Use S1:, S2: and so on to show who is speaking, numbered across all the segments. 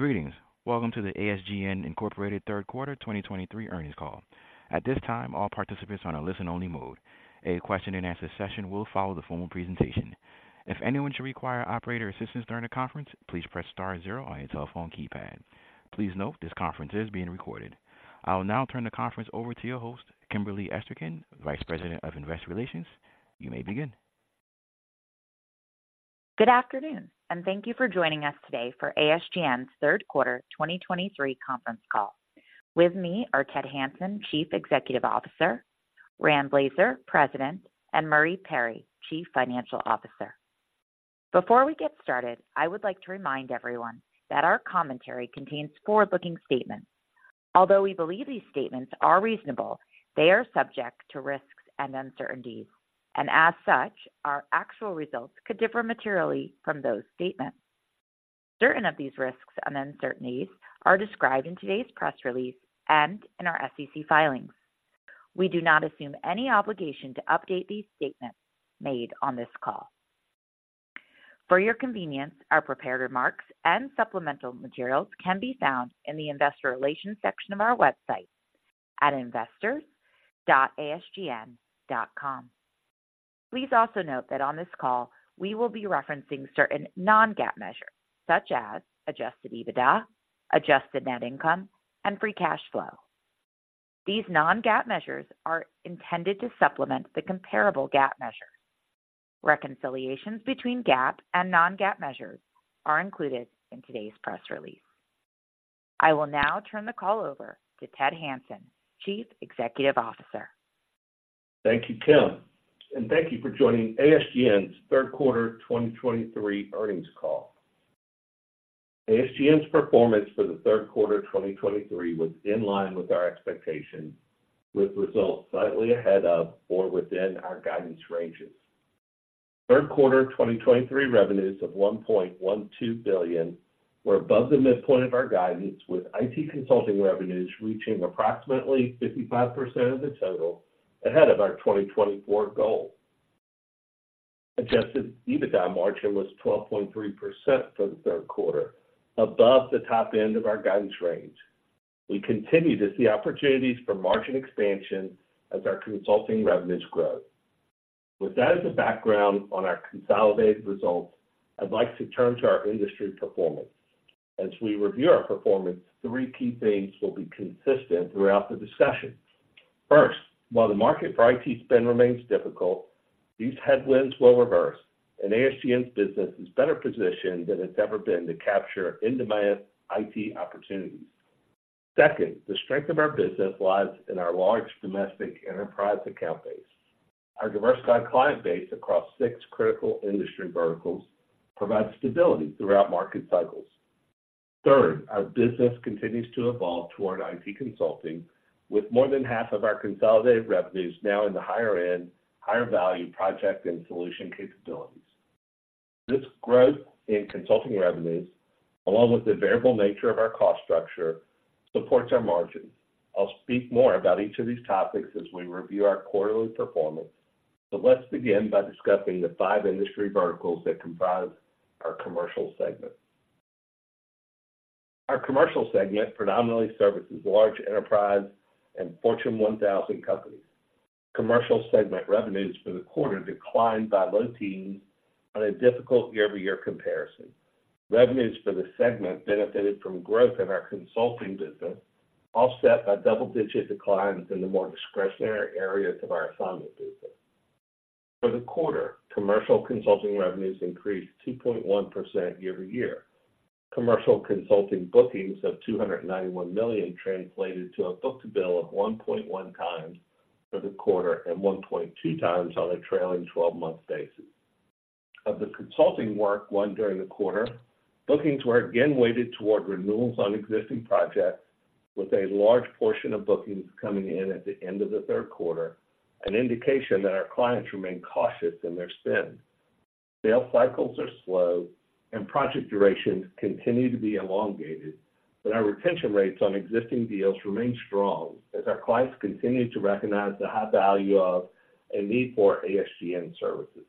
S1: Greetings. Welcome to the ASGN Incorporated Third Quarter 2023 Earnings Call. At this time, all participants are on a listen-only mode. A question-and-answer session will follow the formal presentation. If anyone should require operator assistance during the conference, please press star zero on your telephone keypad. Please note, this conference is being recorded. I will now turn the conference over to your host, Kimberly Esterkin, Vice President, Investor Relations. You may begin.
S2: Good afternoon and thank you for joining us today for ASGN's Third Quarter 2023 conference Call. With me are Ted Hanson, Chief Executive Officer, Rand Blazer, President, and Marie Perry, Chief Financial Officer. Before we get started, I would like to remind everyone that our commentary contains forward-looking statements. Although we believe these statements are reasonable, they are subject to risks and uncertainties, and as such, our actual results could differ materially from those statements. Certain of these risks and uncertainties are described in today's press release and in our SEC filings. We do not assume any obligation to update these statements made on this call. For your convenience, our prepared remarks and supplemental materials can be found in the Investor Relations section of our website at investors.asgn.com. Please also note that on this call, we will be referencing certain non-GAAP measures such as Adjusted EBITDA, adjusted net income, and Free Cash Flow. These non-GAAP measures are intended to supplement the comparable GAAP measure. Reconciliations between GAAP and non-GAAP measures are included in today's press release. I will now turn the call over to Ted Hanson, Chief Executive Officer.
S3: Thank you, Kim, and thank you for joining ASGN's Third Quarter 2023 Earnings Call. ASGN's performance for the third quarter 2023 was in line with our expectations, with results slightly ahead of or within our guidance ranges. Third quarter 2023 revenues of $1.12 billion were above the midpoint of our guidance, with IT consulting revenues reaching approximately 55% of the total, ahead of our 2024 goal. Adjusted EBITDA margin was 12.3% for the third quarter, above the top end of our guidance range. We continue to see opportunities for margin expansion as our Consulting revenues grow. With that as a background on our consolidated results, I'd like to turn to our industry performance. As we review our performance, three key themes will be consistent throughout the discussion. First, while the market for IT spend remains difficult, these headwinds will reverse, and ASGN's business is better positioned than it's ever been to capture in-demand IT opportunities. Second, the strength of our business lies in our large domestic enterprise account base. Our diversified client base across six critical industry verticals provides stability throughout market cycles. Third, our business continues to evolve toward IT Consulting, with more than half of our consolidated revenues now in the higher end, higher-value project and solution capabilities. This growth in Consulting revenues, along with the variable nature of our cost structure, supports our margins. I'll speak more about each of these topics as we review our quarterly performance, but let's begin by discussing the five industry verticals that comprise our Commercial segment. Our Commercial segment predominantly services large enterprise and Fortune 1000 companies. Commercial segment revenues for the quarter declined by low teens on a difficult year-over-year comparison. Revenues for the segment benefited from growth in our Consulting business, offset by double-digit declines in the more discretionary areas of our assignment business. For the quarter, Commercial Consulting revenues increased 2.1% year-over-year. Commercial Consulting bookings of $291 million translated to a book-to-bill of 1.1x for the quarter and 1.2x on a trailing 12-month basis. Of the consulting work won during the quarter, bookings were again weighted toward renewals on existing projects, with a large portion of bookings coming in at the end of the third quarter, an indication that our clients remain cautious in their spend. Sales cycles are slow and project durations continue to be elongated, but our retention rates on existing deals remain strong as our clients continue to recognize the high value of and need for ASGN services.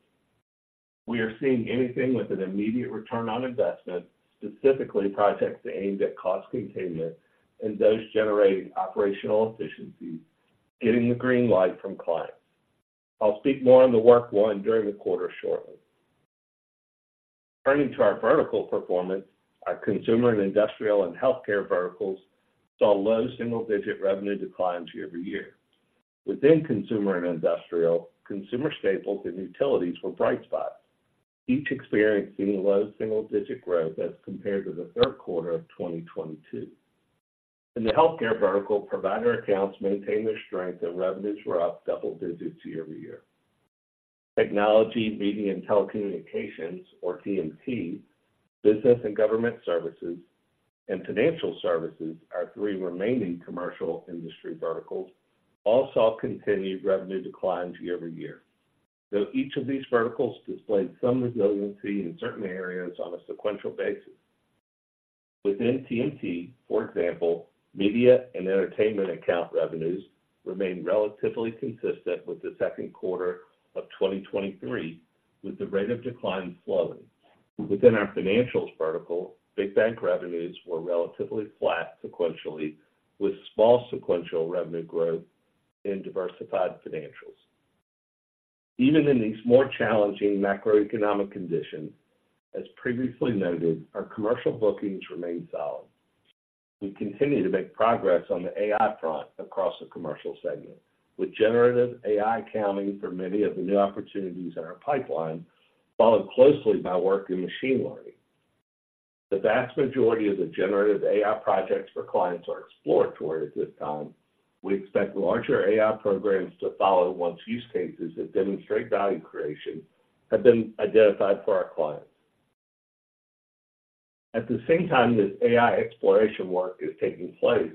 S3: We are seeing anything with an immediate return on investment, specifically projects aimed at cost containment and those generating operational efficiencies, getting the green light from clients. I'll speak more on the work won during the quarter shortly. Turning to our vertical performance, our Consumer and Industrial and Healthcare verticals saw low single-digit revenue declines year-over-year. Within Consumer and Industrial, Consumer staples and utilities were bright spots, each experiencing low single-digit growth as compared to the third quarter of 2022. In the Healthcare vertical, provider accounts maintained their strength, and revenues were up double digits year-over-year. Technology, Media, and Telecommunications, or TMT, Business and Government services, and Financial services, our three remaining Commercial industry verticals, all saw continued revenue declines year-over-year, though each of these verticals displayed some resiliency in certain areas on a sequential basis. Within TMT, for example, Media and Entertainment account revenues remained relatively consistent with the second quarter of 2023, with the rate of decline slowing. Within our Financials vertical, big bank revenues were relatively flat sequentially, with small sequential revenue growth in diversified financials. Even in these more challenging macroeconomic conditions, as previously noted, our commercial bookings remain solid. We continue to make progress on the AI front across the Commercial segment, with generative AI accounting for many of the new opportunities in our pipeline, followed closely by work in machine learning. The vast majority of the generative AI projects for clients are exploratory at this time. We expect larger AI programs to follow once use cases that demonstrate value creation have been identified for our clients. At the same time, this AI exploration work is taking place,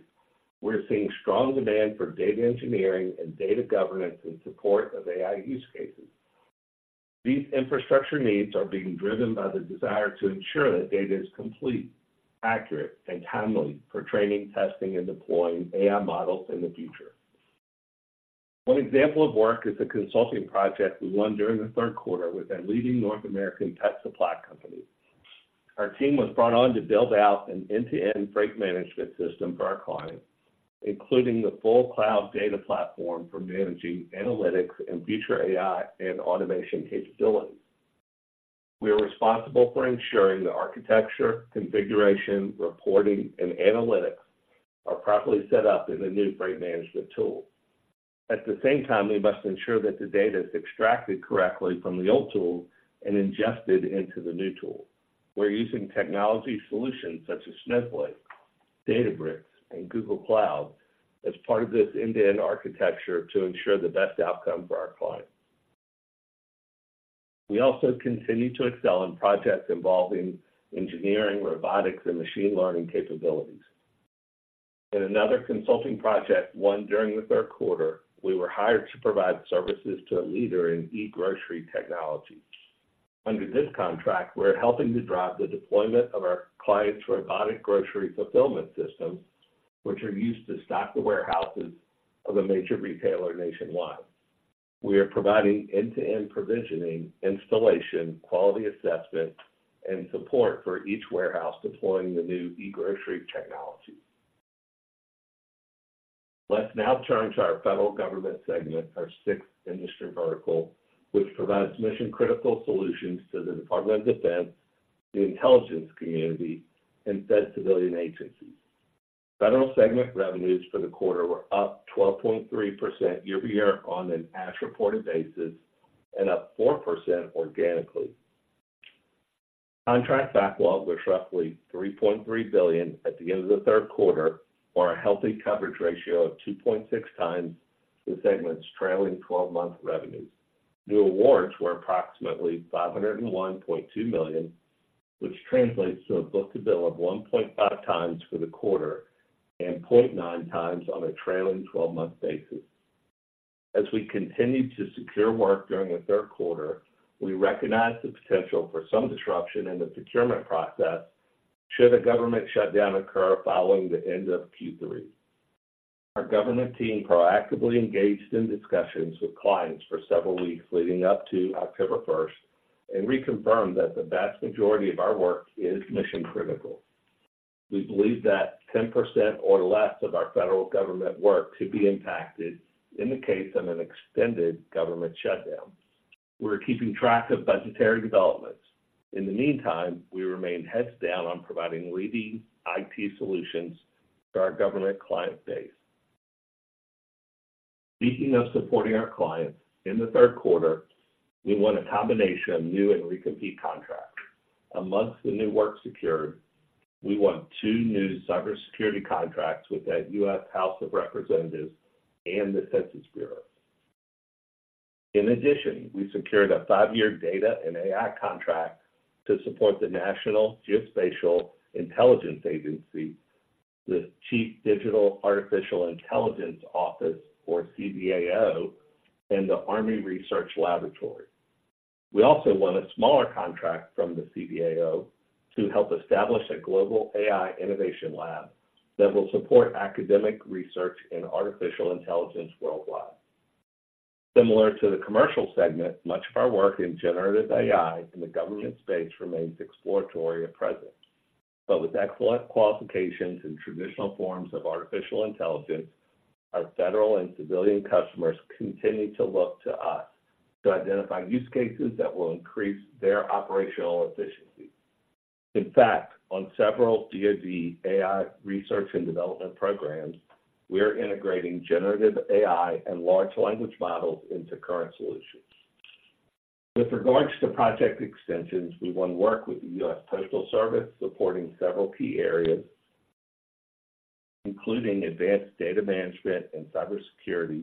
S3: we're seeing strong demand for Data Engineering and Data Governance in support of AI use cases. These infrastructure needs are being driven by the desire to ensure that data is complete, accurate, and timely for training, testing, and deploying AI models in the future. One example of work is a Consulting project we won during the third quarter with a leading North American pet supply company. Our team was brought on to build out an end-to-end freight management system for our client, including the full Cloud Data platform for managing analytics and future AI and automation capabilities. We are responsible for ensuring the architecture, configuration, reporting, and analytics are properly set up in the new freight management tool. At the same time, we must ensure that the data is extracted correctly from the old tool and ingested into the new tool. We're using technology solutions such as Snowflake, Databricks, and Google Cloud as part of this end-to-end architecture to ensure the best outcome for our client. We also continue to excel in projects involving Engineering, Robotics, and Machine Learning capabilities. In another Consulting project won during the third quarter, we were hired to provide services to a leader in e-grocery technology. Under this contract, we're helping to drive the deployment of our client's robotic grocery fulfillment system, which are used to stock the warehouses of a major retailer nationwide. We are providing end-to-end provisioning, installation, quality assessment, and support for each warehouse deploying the new e-grocery technology. Let's now turn to our Federal Government segment, our sixth industry vertical, which provides mission-critical solutions to the Department of Defense, the Intelligence community, and Fed civilian agencies. Federal segment revenues for the quarter were up 12.3% year-over-year on an as-reported basis and up 4% organically. Contract backlog was roughly $3.3 billion at the end of the third quarter, or a healthy coverage ratio of 2.6 times the segment's trailing 12-month revenues. New awards were approximately $501.2 million, which translates to a book-to-bill of 1.5x for the quarter and 0.9x on a trailing 12-month basis. As we continued to secure work during the third quarter, we recognized the potential for some disruption in the procurement process should a government shutdown occur following the end of Q3. Our Government team proactively engaged in discussions with clients for several weeks leading up to October first, and reconfirmed that the vast majority of our work is mission-critical. We believe that 10% or less of our Federal Government work could be impacted in the case of an extended government shutdown. We're keeping track of budgetary developments. In the meantime, we remain heads down on providing leading IT solutions to our Government client base. Speaking of supporting our clients, in the third quarter, we won a combination of new and recompete contracts. Among the new work secured, we won two new Cybersecurity contracts with the U.S. House of Representatives and the Census Bureau. In addition, we secured a five-year data and AI contract to support the National Geospatial-Intelligence Agency, the Chief Digital and Artificial Intelligence Office, or CDAO, and the Army Research Laboratory. We also won a smaller contract from the CDAO to help establish a global AI innovation lab that will support academic research in artificial intelligence worldwide. Similar to the Commercial segment, much of our work in generative AI in the Government space remains exploratory at present. But with excellent qualifications in traditional forms of artificial intelligence, our federal and civilian customers continue to look to us to identify use cases that will increase their operational efficiency. In fact, on several DOD AI research and development programs, we are integrating generative AI and large language models into current solutions. With regards to project extensions, we won work with the U.S. Postal Service, supporting several key areas, including Advanced Data Management and Cybersecurity,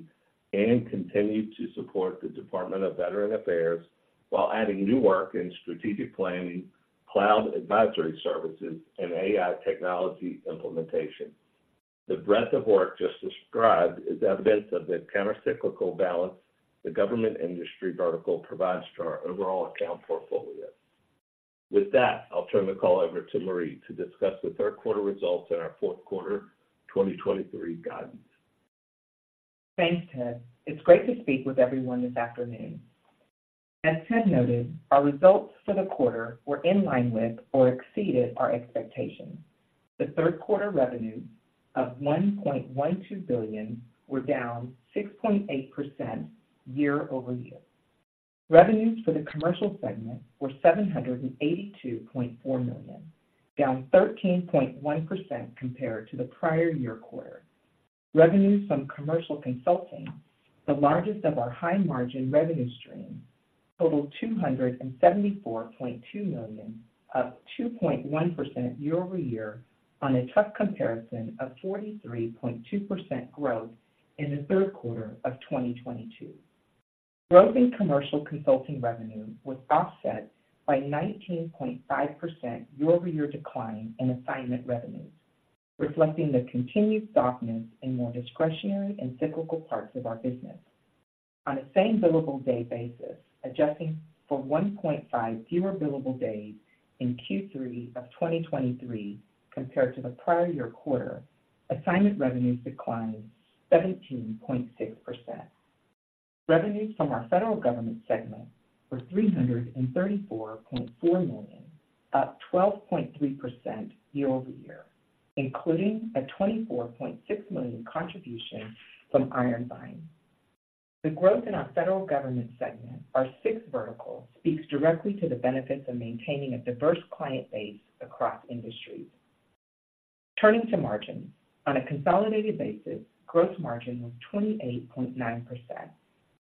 S3: and continued to support the Department of Veterans Affairs while adding new work in Strategic planning, Cloud Advisory services, and AI technology implementation. The breadth of work just described is evidence of the countercyclical balance the Government industry vertical provides to our overall account portfolio. With that, I'll turn the call over to Marie to discuss the third quarter results and our fourth quarter 2023 guidance....
S4: Thanks, Ted. It's great to speak with everyone this afternoon. As Ted noted, our results for the quarter were in line with or exceeded our expectations. The third quarter revenues of $1.12 billion were down 6.8% year-over-year. Revenues for the Commercial segment were $782.4 million, down 13.1% compared to the prior year quarter. Revenues from Commercial Consulting, the largest of our high-margin revenue streams, totaled $274.2 million, up 2.1% year-over-year on a tough comparison of 43.2% growth in the third quarter of 2022. Growth in commercial consulting revenue was offset by 19.5% year-over-year decline in Assignment revenues, reflecting the continued softness in more discretionary and cyclical parts of our business. On a same billable day basis, adjusting for 1.5 fewer billable days in Q3 of 2023 compared to the prior year quarter, Assignment revenues declined 17.6%. Revenues from our Federal Government Segment were $334.4 million, up 12.3% year-over-year, including a $24.6 million contribution from Iron Vine. The growth in our Federal Government Segment, our sixth vertical, speaks directly to the benefits of maintaining a diverse client base across industries. Turning to margins. On a consolidated basis, gross margin was 28.9%,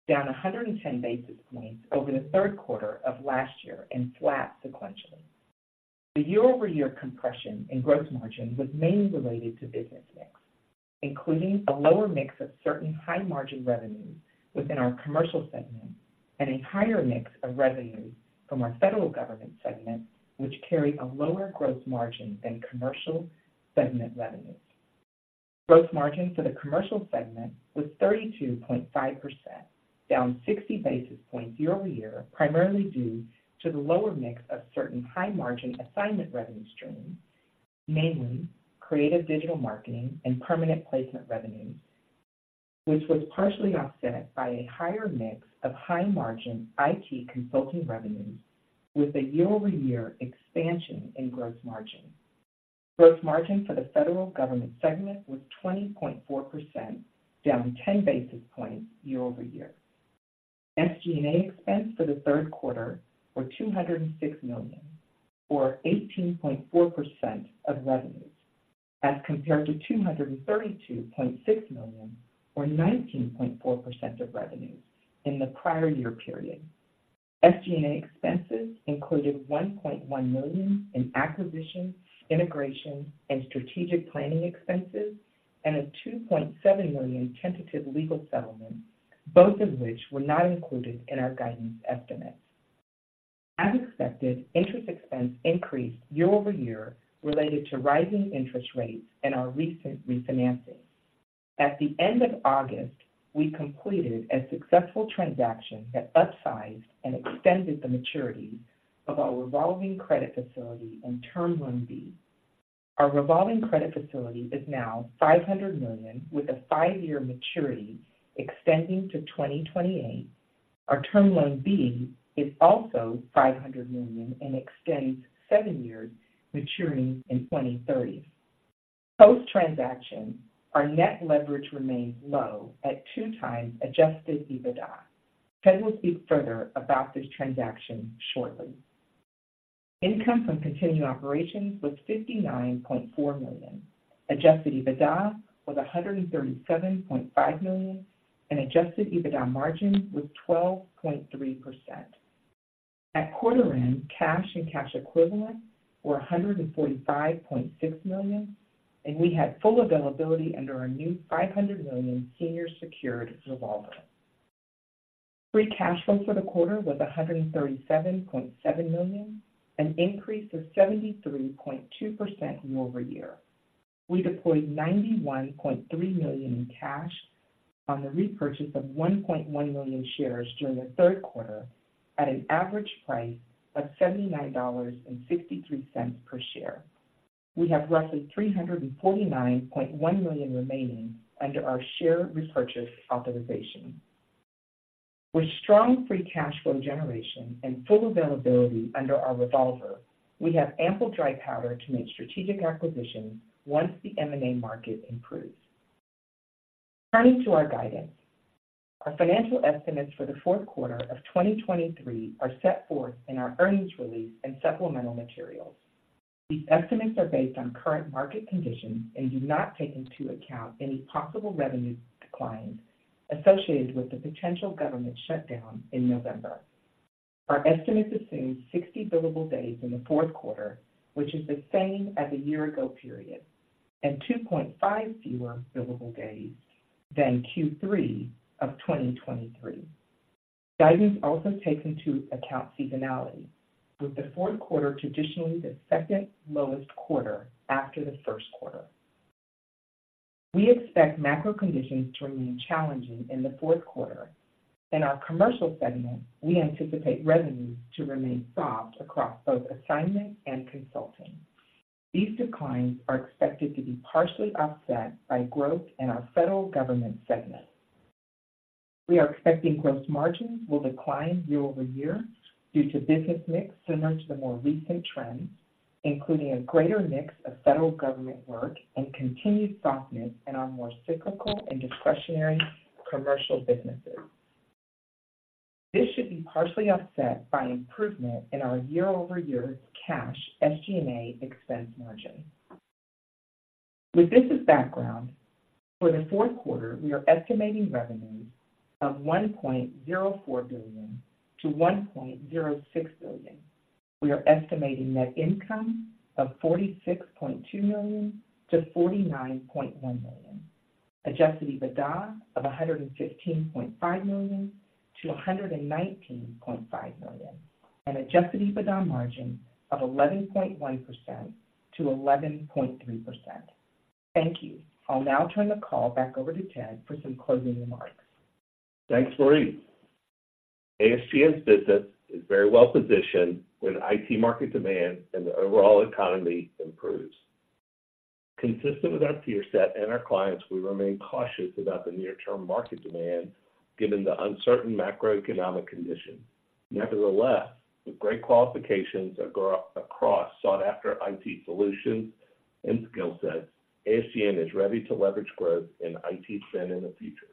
S4: down 110 basis points over the third quarter of last year and flat sequentially. The year-over-year compression in gross margin was mainly related to business mix, including a lower mix of certain high-margin revenues within our Commercial segment and a higher mix of revenues from our Federal Government segment, which carry a lower gross margin than Commercial segment revenues. Gross margin for the Commercial segment was 32.5%, down 60 basis points year-over-year, primarily due to the lower mix of certain high-margin Assignment revenue streams, mainly Creative Digital Marketing and Permanent Placement revenues, which was partially offset by a higher mix of high-margin IT Consulting revenues with a year-over-year expansion in gross margin. Gross margin for the Federal Government segment was 20.4%, down 10 basis points year-over-year. SG&A expenses for the third quarter were $206 million, or 18.4% of revenues, as compared to $232.6 million, or 19.4% of revenues in the prior year period. SG&A expenses included $1.1 million in acquisition, integration, and strategic planning expenses, and a $2.7 million tentative legal settlement, both of which were not included in our guidance estimates. As expected, interest expense increased year-over-year related to rising interest rates and our recent refinancing. At the end of August, we completed a successful transaction that upsized and extended the maturities of our revolving credit facility and Term Loan B. Our revolving credit facility is now $500 million, with a five-year maturity extending to 2028. Our Term Loan B is also $500 million and extends seven years, maturing in 2030. Post-transaction, our net leverage remains low at 2x Adjusted EBITDA. Ted will speak further about this transaction shortly. Income from continuing operations was $59.4 million. Adjusted EBITDA was $137.5 million, and Adjusted EBITDA margin was 12.3%. At quarter end, cash and cash equivalents were $145.6 million, and we had full availability under our new $500 million senior secured revolver. Free Cash Flow for the quarter was $137.7 million, an increase of 73.2% year-over-year. We deployed $91.3 million in cash on the repurchase of 1.1 million shares during the third quarter at an average price of $79.63 per share. We have roughly $349.1 million remaining under our share repurchase authorization. With strong free cash flow generation and full availability under our revolver, we have ample dry powder to make strategic acquisitions once the M&A market improves. Turning to our guidance. Our financial estimates for the fourth quarter of 2023 are set forth in our earnings release and supplemental materials. These estimates are based on current market conditions and do not take into account any possible revenue declines associated with the potential government shutdown in November. Our estimates assume 60 billable days in the fourth quarter, which is the same as the year ago period and 2.5 fewer billable days than Q3 of 2023. Guidance also takes into account seasonality, with the fourth quarter traditionally the second lowest quarter after the first quarter. We expect macro conditions to remain challenging in the fourth quarter. In our Commercial segment, we anticipate revenues to remain soft across both Assignment and Consulting. These declines are expected to be partially offset by growth in our Federal Government segment. We are expecting gross margins will decline year-over-year due to business mix similar to the more recent trends, including a greater mix of Federal Government work and continued softness in our more cyclical and discretionary Commercial businesses. This should be partially offset by improvement in our year-over-year cash SG&A expense margin. With this as background, for the fourth quarter, we are estimating revenues of $1.04 billion-$1.06 billion. We are estimating net income of $46.2 million-$49.1 million, Adjusted EBITDA of $115.5 million-$119.5 million, and Adjusted EBITDA margin of 11.1%-11.3%. Thank you. I'll now turn the call back over to Ted for some closing remarks.
S3: Thanks, Marie. ASGN's business is very well positioned when IT market demand and the overall economy improves. Consistent with our peer set and our clients, we remain cautious about the near-term market demand, given the uncertain macroeconomic conditions. Nevertheless, with great qualifications and growth across sought-after IT solutions and skill sets, ASGN is ready to leverage growth in IT spend in the future.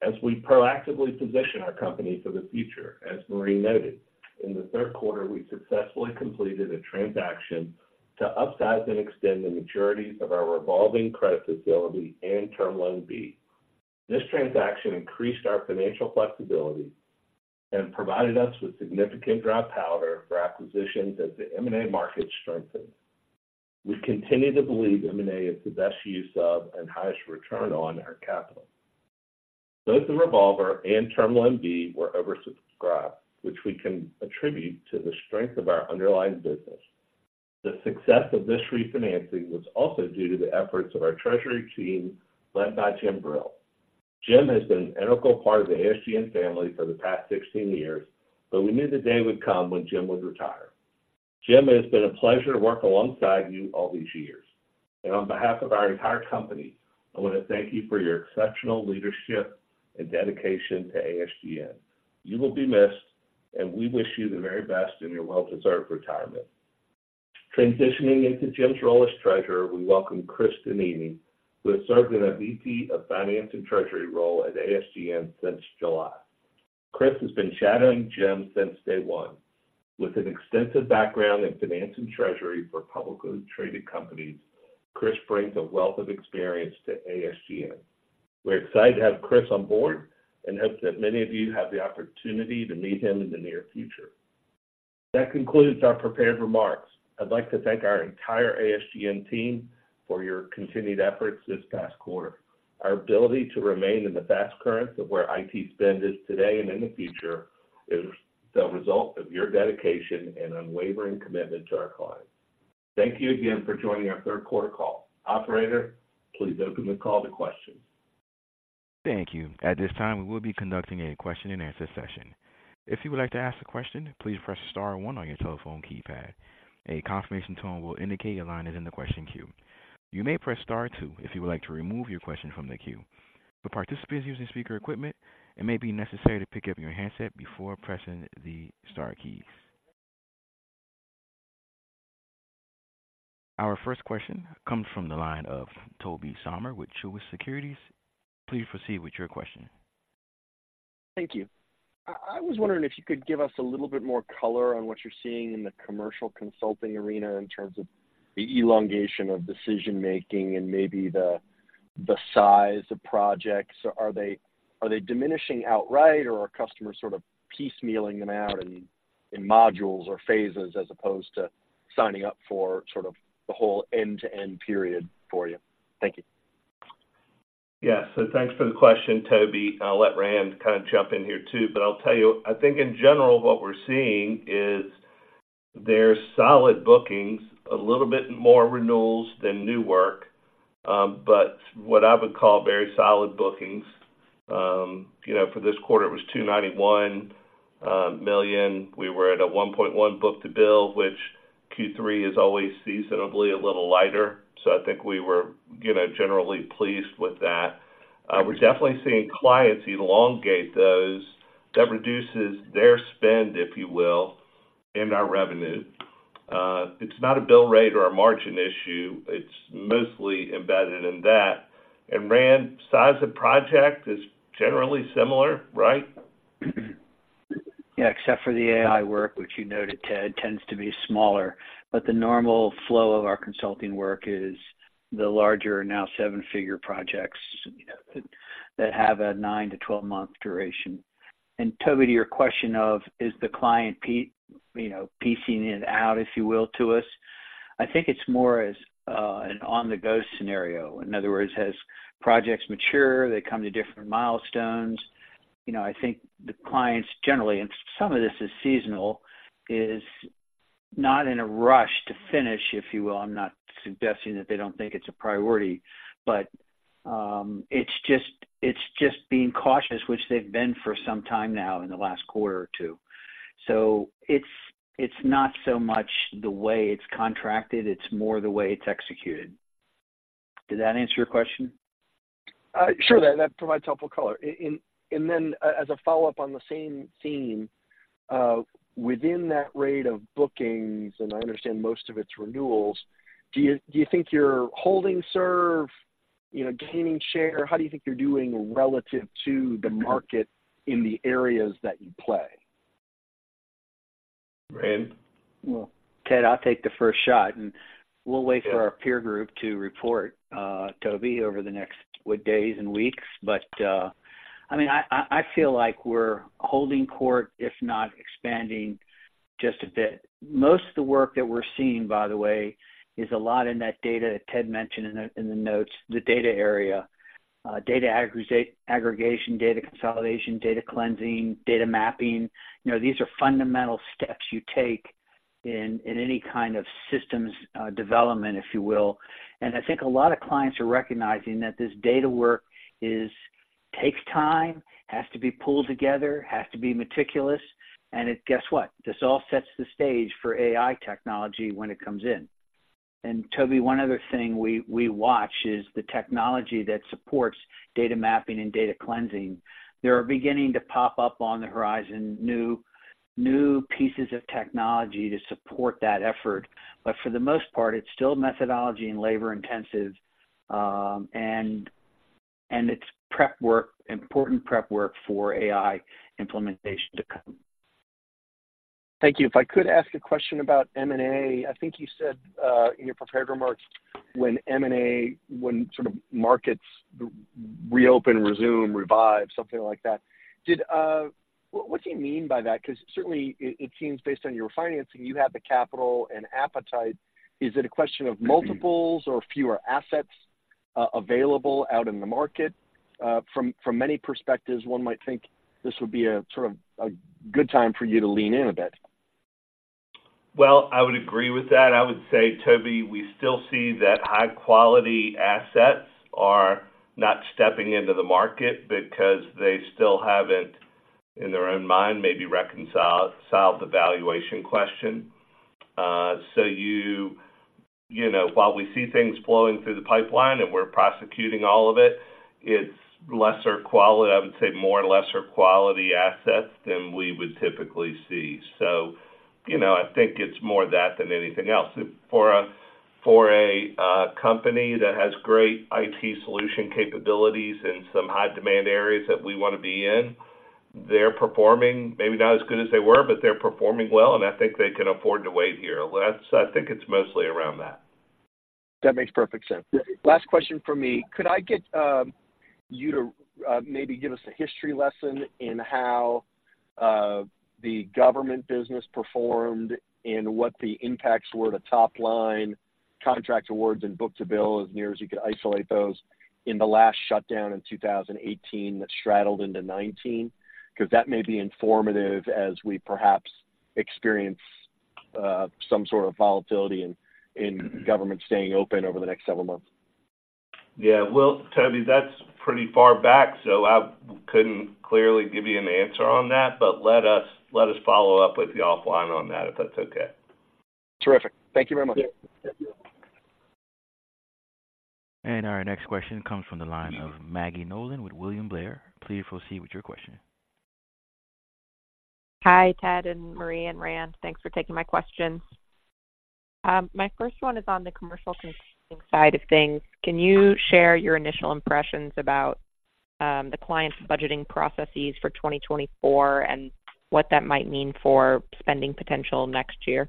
S3: As we proactively position our company for the future, as Marie noted, in the third quarter, we successfully completed a transaction to upsize and extend the maturities of our revolving credit facility and Term Loan B. This transaction increased our financial flexibility and provided us with significant dry powder for acquisitions as the M&A market strengthens. We continue to believe M&A is the best use of and highest return on our capital. Both the revolver and Term Loan B were oversubscribed, which we can attribute to the strength of our underlying business. The success of this refinancing was also due to the efforts of our treasury team, led by Jim Brill. Jim has been an integral part of the ASGN family for the past 16 years, but we knew the day would come when Jim would retire. Jim, it has been a pleasure to work alongside you all these years, and on behalf of our entire company, I want to thank you for your exceptional leadership and dedication to ASGN. You will be missed, and we wish you the very best in your well-deserved retirement. Transitioning into Jim's role as treasurer, we welcome Chris Donnini, who has served in a VP of Finance and Treasury role at ASGN since July. Chris has been shadowing Jim since day one. With an extensive background in finance and treasury for publicly traded companies, Chris brings a wealth of experience to ASGN. We're excited to have Chris on board and hope that many of you have the opportunity to meet him in the near future. That concludes our prepared remarks. I'd like to thank our entire ASGN team for your continued efforts this past quarter. Our ability to remain in the fast current of where IT spend is today and in the future is the result of your dedication and unwavering commitment to our clients. Thank you again for joining our third quarter call. Operator, please open the call to questions.
S1: Thank you. At this time, we will be conducting a question-and-answer session. If you would like to ask a question, please press star one on your telephone keypad. A confirmation tone will indicate your line is in the question queue. You may press star two if you would like to remove your question from the queue. For participants using speaker equipment, it may be necessary to pick up your handset before pressing the star keys. Our first question comes from the line of Tobey Sommer with Truist Securities. Please proceed with your question.
S5: Thank you. I was wondering if you could give us a little bit more color on what you're seeing in the commercial consulting arena in terms of the elongation of decision making and maybe the size of projects. Are they diminishing outright, or are customers sort of piecemealing them out in modules or phases, as opposed to signing up for sort of the whole end-to-end period for you? Thank you.
S3: Yeah. So, thanks for the question, Tobey. I'll let Rand kind of jump in here, too, but I'll tell you, I think in general, what we're seeing is there are solid bookings, a little bit more renewals than new work, but what I would call very solid bookings. You know, for this quarter, it was $291 million. We were at a 1.1 book-to-bill, which Q3 is always seasonally a little lighter, so I think we were, you know, generally pleased with that. We're definitely seeing clients elongate those. That reduces their spend, if you will, and our revenue. It's not a bill rate or a margin issue; it's mostly embedded in that. And Rand, size of project is generally similar, right?
S6: Yeah, except for the AI work, which you noted, Ted, tends to be smaller, but the normal flow of our consulting work is the larger, now seven-figure projects, you know, that have a 9 to 12-month duration. And Tobey, to your question of, is the client you know, piecing it out, if you will, to us, I think it's more as, an on-the-go scenario. In other words, as projects mature, they come to different milestones. You know, I think the clients generally, and some of this is seasonal, is not in a rush to finish, if you will, on nine-... suggesting that they don't think it's a priority. But, it's just, it's just being cautious, which they've been for some time now in the last quarter or two. So it's, it's not so much the way it's contracted, it's more the way it's executed. Did that answer your question?
S5: Sure. That provides helpful color. And then as a follow-up on the same theme, within that rate of bookings, and I understand most of it's renewals, do you think you're holding serve, you know, gaining share? How do you think you're doing relative to the market in the areas that you play?
S3: Rand?
S6: Well, Ted, I'll take the first shot, and we'll wait for our peer group to report, Tobey, over the next, what, days and weeks. But, I mean, I feel like we're holding court, if not expanding just a bit. Most of the work that we're seeing, by the way, is a lot in that data Ted mentioned in the notes, the data area. Data aggregation, data consolidation, data cleansing, data mapping, you know, these are fundamental steps you take in any kind of systems development, if you will. And I think a lot of clients are recognizing that this data work takes time, has to be pulled together, has to be meticulous, and it... Guess what? This all sets the stage for AI technology when it comes in. And Tobey, one other thing we watch is the technology that supports data mapping and data cleansing. They are beginning to pop up on the horizon, new pieces of technology to support that effort. But for the most part, it's still methodology and labor intensive, and it's prep work, important prep work for AI implementation to come.
S5: Thank you. If I could ask a question about M&A. I think you said, in your prepared remarks, when M&A - when sort of markets reopen, resume, revive, something like that. Did... What do you mean by that? Because certainly, it seems, based on your financing, you have the capital and appetite. Is it a question of multiples or fewer assets available out in the market? From many perspectives, one might think this would be a sort of a good time for you to lean in a bit.
S3: Well, I would agree with that. I would say, Tobey, we still see that high-quality assets are not stepping into the market because they still haven't, in their own mind, maybe reconciled, solved the valuation question. So, you know, while we see things flowing through the pipeline and we're prosecuting all of it, it's lesser quality- I would say more lesser quality assets than we would typically see. So, you know, I think it's more that than anything else. For a company that has great IT solution capabilities in some high-demand areas that we want to be in, they're performing maybe not as good as they were, but they're performing well, and I think they can afford to wait here. That's- I think it's mostly around that.
S5: That makes perfect sense. Last question from me. Could I get you to maybe give us a history lesson in how the government business performed and what the impacts were to top line contract awards and book-to-bill, as near as you could isolate those, in the last shutdown in 2018 that straddled into 2019? Because that may be informative as we perhaps experience some sort of volatility in government staying open over the next several months.
S3: Yeah. Well, Tobey, that's pretty far back, so I couldn't clearly give you an answer on that, but let us, let us follow up with you offline on that, if that's okay.
S5: Terrific. Thank you very much.
S3: Yeah.
S1: Our next question comes from the line of Maggie Nolan with William Blair. Please proceed with your question.
S7: Hi, Ted and Marie and Rand. Thanks for taking my questions. My first one is on the Commercial Consulting side of things. Can you share your initial impressions about the client's budgeting processes for 2024 and what that might mean for spending potential next year?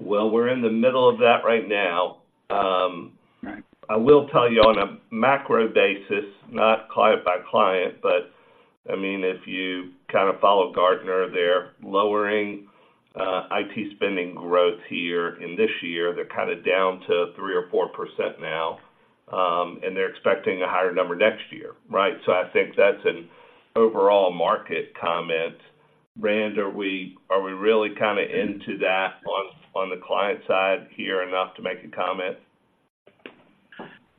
S3: Well, we're in the middle of that right now.
S6: Right.
S3: I will tell you on a macro basis, not client by client, but I mean, if you kind of follow Gartner, they're lowering IT spending growth here in this year. They're kind of down to 3% or 4% now, and they're expecting a higher number next year, right? So, I think that's an overall market comment. Rand, are we really kind of into that on the client side here enough to make a comment?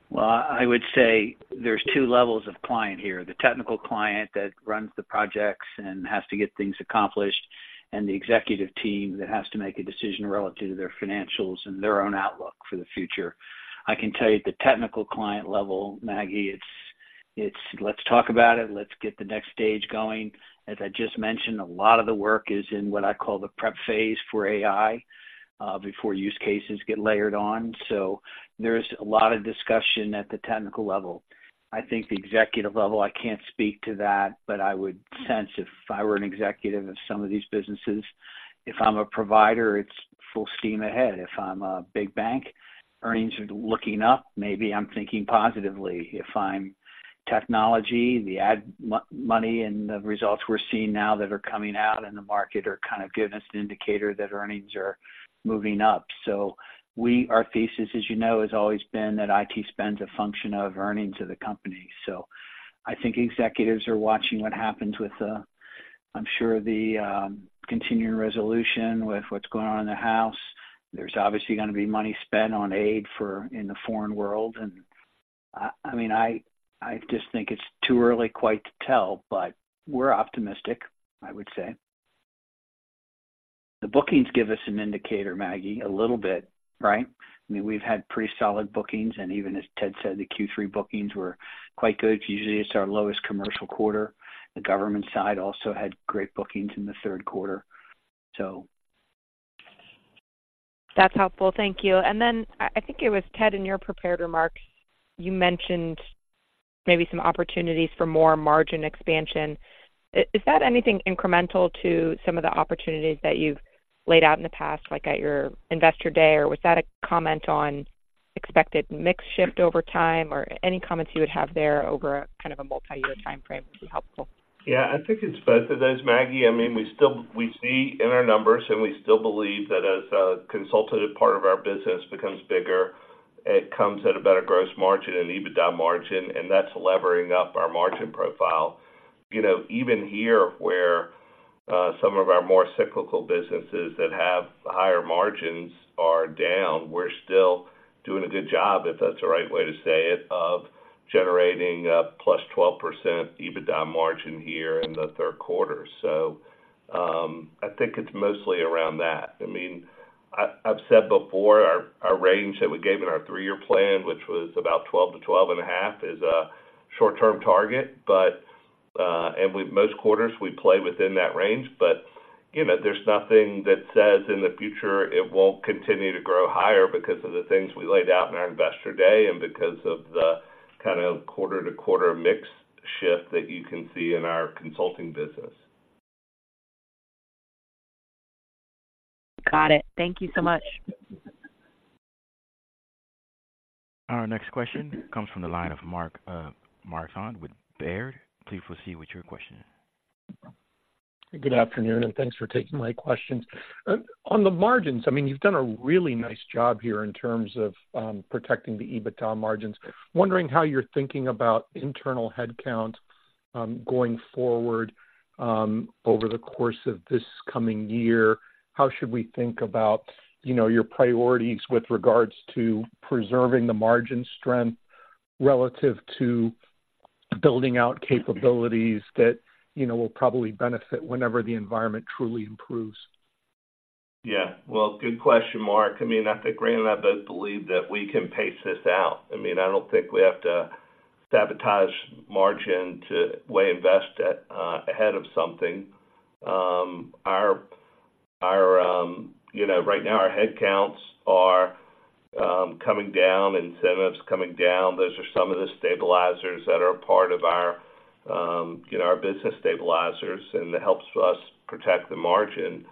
S6: Well, I would say there's two levels of client here, the technical client that runs the projects and has to get things accomplished, and the executive team that has to make a decision relative to their financials and their own outlook for the future. I can tell you at the technical client level, Maggie, it's let's talk about it, let's get the next stage going. As I just mentioned, a lot of the work is in what I call the prep phase for AI, before use cases get layered on. So, there's a lot of discussion at the technical level. I think the executive level, I can't speak to that, but I would sense if I were an executive of some of these businesses, if I'm a provider, it's full steam ahead. If I'm a big bank, earnings are looking up, maybe I'm thinking positively. If I'm technology, the ad money and the results we're seeing now that are coming out in the market are kind of giving us an indicator that earnings are moving up. So our thesis, as you know, has always been that IT spend's a function of earnings of the company. So, I think executives are watching what happens with the, I'm sure, the, Continuing Resolution with what's going on in the House. There's obviously going to be money spent on aid for, in the foreign world. And, I mean, I just think it's too early quite to tell, but we're optimistic, I would say. The bookings give us an indicator, Maggie, a little bit, right? I mean, we've had pretty solid bookings, and even as Ted said, the Q3 bookings were quite good. Usually, it's our lowest Commercial quarter. The Government side also had great bookings in the third quarter, so.
S7: That's helpful. Thank you. And then, I think it was Ted, in your prepared remarks, you mentioned maybe some opportunities for more margin expansion. Is that anything incremental to some of the opportunities that you've laid out in the past, like at your Investor Day? Or was that a comment on expected mix shift over time, or any comments you would have there over a kind of a multi-year timeframe would be helpful.
S3: Yeah, I think it's both of those, Maggie. I mean, we still we see in our numbers, and we still believe that as the consultative part of our business becomes bigger, it comes at a better gross margin and EBITDA margin, and that's levering up our margin profile. You know, even here, where some of our more cyclical businesses that have higher margins are down, we're still doing a good job, if that's the right way to say it, of generating a plus 12% EBITDA margin here in the third quarter. So, I think it's mostly around that. I mean, I've said before, our range that we gave in our three-year plan, which was about 12%-12.5%, is a short-term target, but, and with most quarters, we play within that range. But, you know, there's nothing that says in the future it won't continue to grow higher because of the things we laid out in our Investor Day and because of the kind of quarter-to-quarter mix shift that you can see in our Consulting business.
S7: Got it. Thank you so much.
S1: Our next question comes from the line of Mark Marcon with Baird. Please proceed with your question.
S8: Good afternoon, and thanks for taking my questions. On the margins, I mean, you've done a really nice job here in terms of protecting the EBITDA margins. Wondering how you're thinking about internal headcount going forward over the course of this coming year. How should we think about, you know, your priorities with regards to preserving the margin strength relative to building out capabilities that, you know, will probably benefit whenever the environment truly improves?
S3: Yeah. Well, good question, Mark. I mean, I think Rand and I both believe that we can pace this out. I mean, I don't think we have to sabotage margin to way invest at ahead of something. Our, you know, right now, our headcounts are coming down, incentives coming down. Those are some of the stabilizers that are part of our, you know, our business stabilizers, and it helps us protect the margin.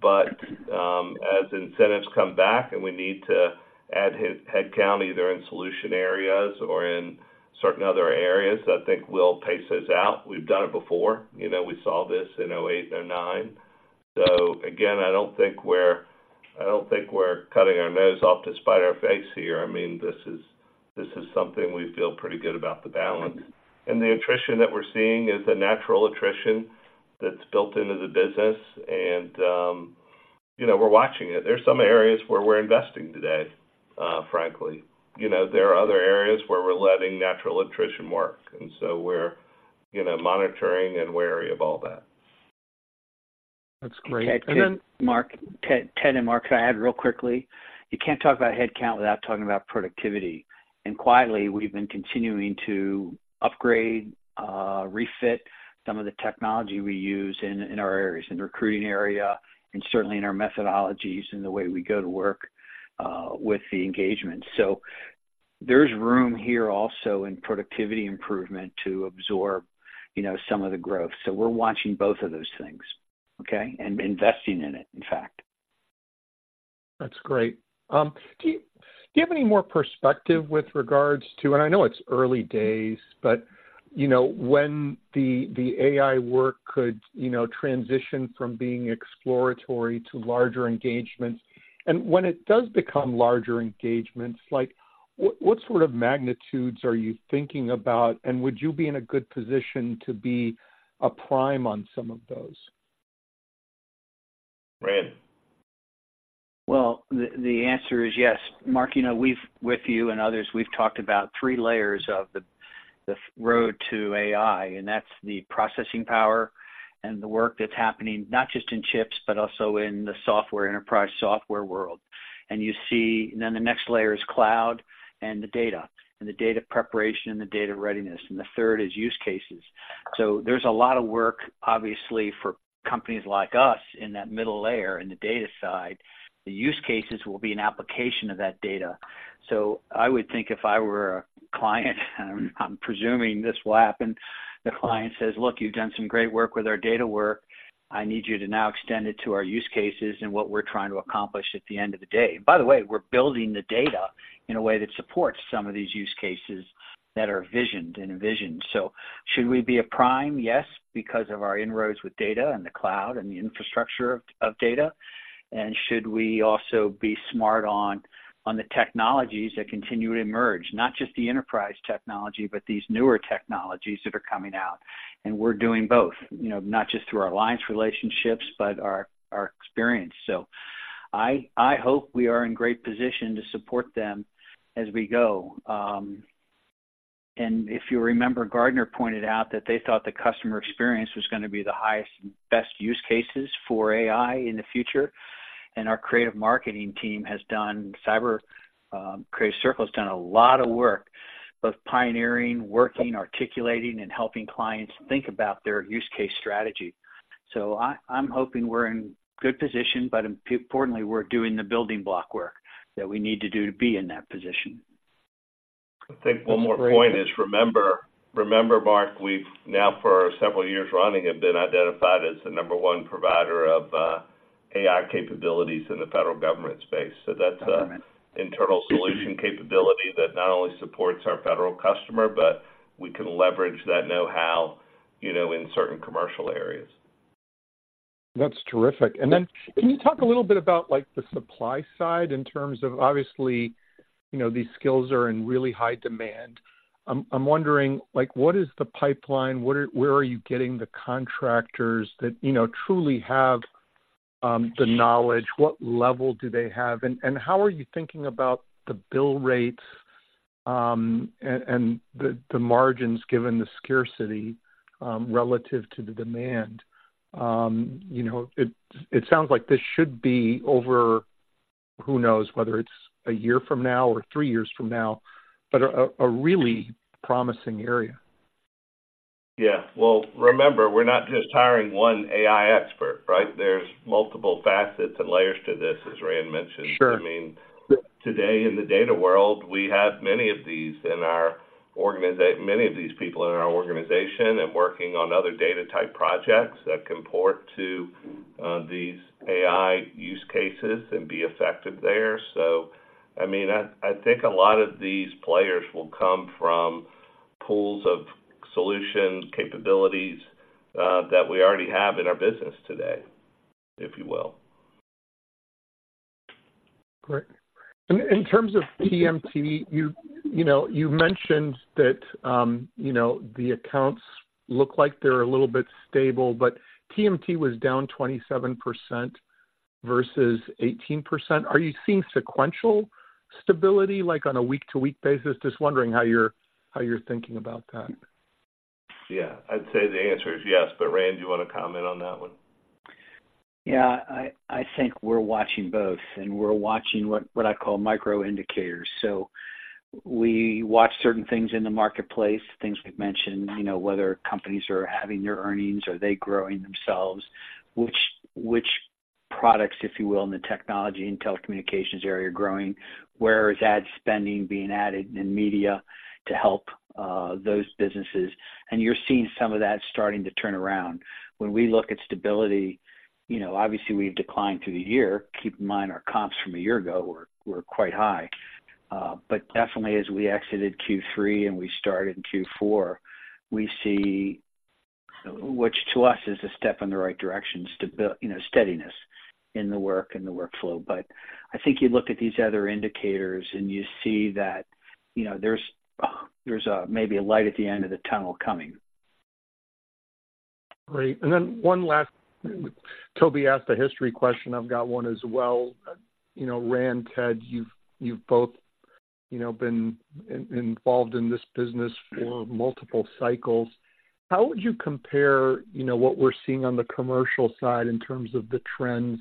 S3: But, as incentives come back and we need to add headcount, either in solution areas or in certain other areas, I think we'll pace those out. We've done it before. You know, we saw this in 2008, 2009. So again, I don't think we're, I don't think we're cutting our nose off to spite our face here. I mean, this is, this is something we feel pretty good about the balance. And the attrition that we're seeing is the natural attrition that's built into the business, and, you know, we're watching it. There's some areas where we're investing today, frankly. You know, there are other areas where we're letting natural attrition work, and so we're, you know, monitoring and wary of all that.
S8: That's great, and then-
S6: Mark, Ted, Ted and Mark, can I add real quickly? You can't talk about headcount without talking about productivity. And quietly, we've been continuing to upgrade, refit some of the technology we use in, in our areas, in recruiting area and certainly in our methodologies and the way we go to work, with the engagement. So there's room here also in productivity improvement to absorb, you know, some of the growth. So we're watching both of those things, okay? And investing in it, in fact.
S8: That's great. Do you, do you have any more perspective with regards to... and I know it's early days, but, you know, when the, the AI work could, you know, transition from being exploratory to larger engagements? And when it does become larger engagements, like, what, what sort of magnitudes are you thinking about, and would you be in a good position to be a prime on some of those?
S3: Rand?
S6: Well, the answer is yes. Mark, you know, we've, with you and others, we've talked about three layers of the road to AI, and that's the processing power and the work that's happening, not just in chips, but also in the software, enterprise software world. And you see, then the next layer is cloud and the data, and the data preparation and the data readiness. And the third is use cases. So there's a lot of work, obviously, for companies like us in that middle layer, in the data side. The use cases will be an application of that data. So I would think if I were a client, and I'm presuming this will happen, the client says: Look, you've done some great work with our data work. I need you to now extend it to our use cases and what we're trying to accomplish at the end of the day. By the way, we're building the data in a way that supports some of these use cases that are visioned and envisioned. So should we be a prime? Yes, because of our inroads with data and the cloud and the infrastructure of data, and should we also be smart on the technologies that continue to emerge? Not just the enterprise technology, but these newer technologies that are coming out. And we're doing both, you know, not just through our alliance relationships, but our experience. So I hope we are in great position to support them as we go. And if you remember, Gartner pointed out that they thought the customer experience was going to be the highest and best use cases for AI in the future, and our creative marketing team has done, cyber, Creative Circle has done a lot of work, both pioneering, working, articulating, and helping clients think about their use case strategy. So, I'm hoping we're in good position, but importantly, we're doing the building block work that we need to do to be in that position.
S3: I think one more point is, remember, remember, Mark, we've now for several years running, have been identified as the number one provider of AI capabilities in the Federal Government space. So that's an-
S6: Right.
S3: ...internal solution capability that not only supports our Federal customer, but we can leverage that know-how, you know, in certain Commercial areas.
S8: That's terrific. And then, can you talk a little bit about, like, the supply side in terms of... Obviously, you know, these skills are in really high demand. I'm wondering, like, what is the pipeline? Where are you getting the contractors that, you know, truly have the knowledge? What level do they have? And how are you thinking about the bill rates, and the margins given the scarcity relative to the demand? You know, it sounds like this should be over, who knows whether it's a year from now or three years from now, but a really promising area.
S3: Yeah. Well, remember, we're not just hiring one AI expert, right? There's multiple facets and layers to this, as Rand mentioned.
S8: Sure.
S3: I mean, today in the Data world, we have many of these people in our organization and working on other Data type projects that can port to these AI use cases and be effective there. So, I mean, I think a lot of these players will come from pools of solution capabilities that we already have in our business today, if you will.
S8: Great. And in terms of TMT, you, you know, you mentioned that, you know, the accounts look like they're a little bit stable, but TMT was down 27% versus 18%. Are you seeing sequential stability, like, on a week-to-week basis? Just wondering how you're, how you're thinking about that.
S3: Yeah. I'd say the answer is yes, but, Rand, do you want to comment on that one?
S6: Yeah, I think we're watching both, and we're watching what I call micro indicators. So, we watch certain things in the marketplace, things we've mentioned, you know, whether companies are having their earnings, are they growing themselves? Which products, if you will, in the technology and telecommunications area are growing? Where is ad spending being added in media to help those businesses? And you're seeing some of that starting to turn around. When we look at stability, you know, obviously, we've declined through the year. Keep in mind, our comps from a year ago were quite high. But definitely as we exited Q3 and we started in Q4, we see, which to us is a step in the right direction, you know, steadiness in the work and the workflow. But I think you look at these other indicators, and you see that, you know, there's maybe a light at the end of the tunnel coming.
S8: Great. And then one last... Tobey asked a history question. I've got one as well. You know, Rand, Ted, you've both, you know, been involved in this business for multiple cycles. How would you compare, you know, what we're seeing on the commercial side in terms of the trends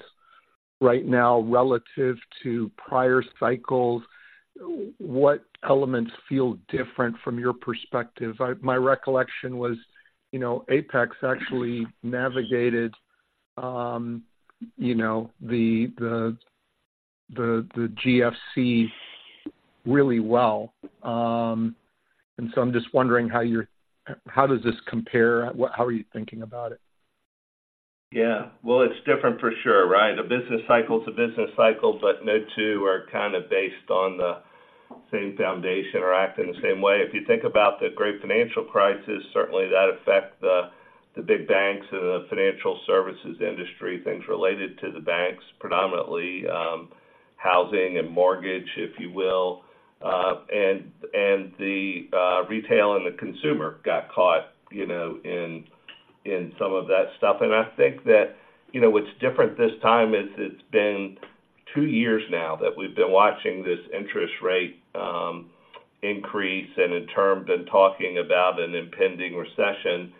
S8: right now relative to prior cycles? What elements feel different from your perspective? I my recollection was, you know, Apex actually navigated the GFC really well. And so I'm just wondering how does this compare? What how are you thinking about it?
S3: Yeah. Well, it's different for sure, right? A business cycle is a business cycle, but no two are kind of based on the same foundation or act in the same way. If you think about the great financial crisis, certainly that affect the big banks and the financial services industry, things related to the banks, predominantly, housing and mortgage, if you will, and the retail and the consumer got caught, you know, in some of that stuff. And I think that, you know, what's different this time is it's been two years now that we've been watching this interest rate increase, and in turn, been talking about an impending recession,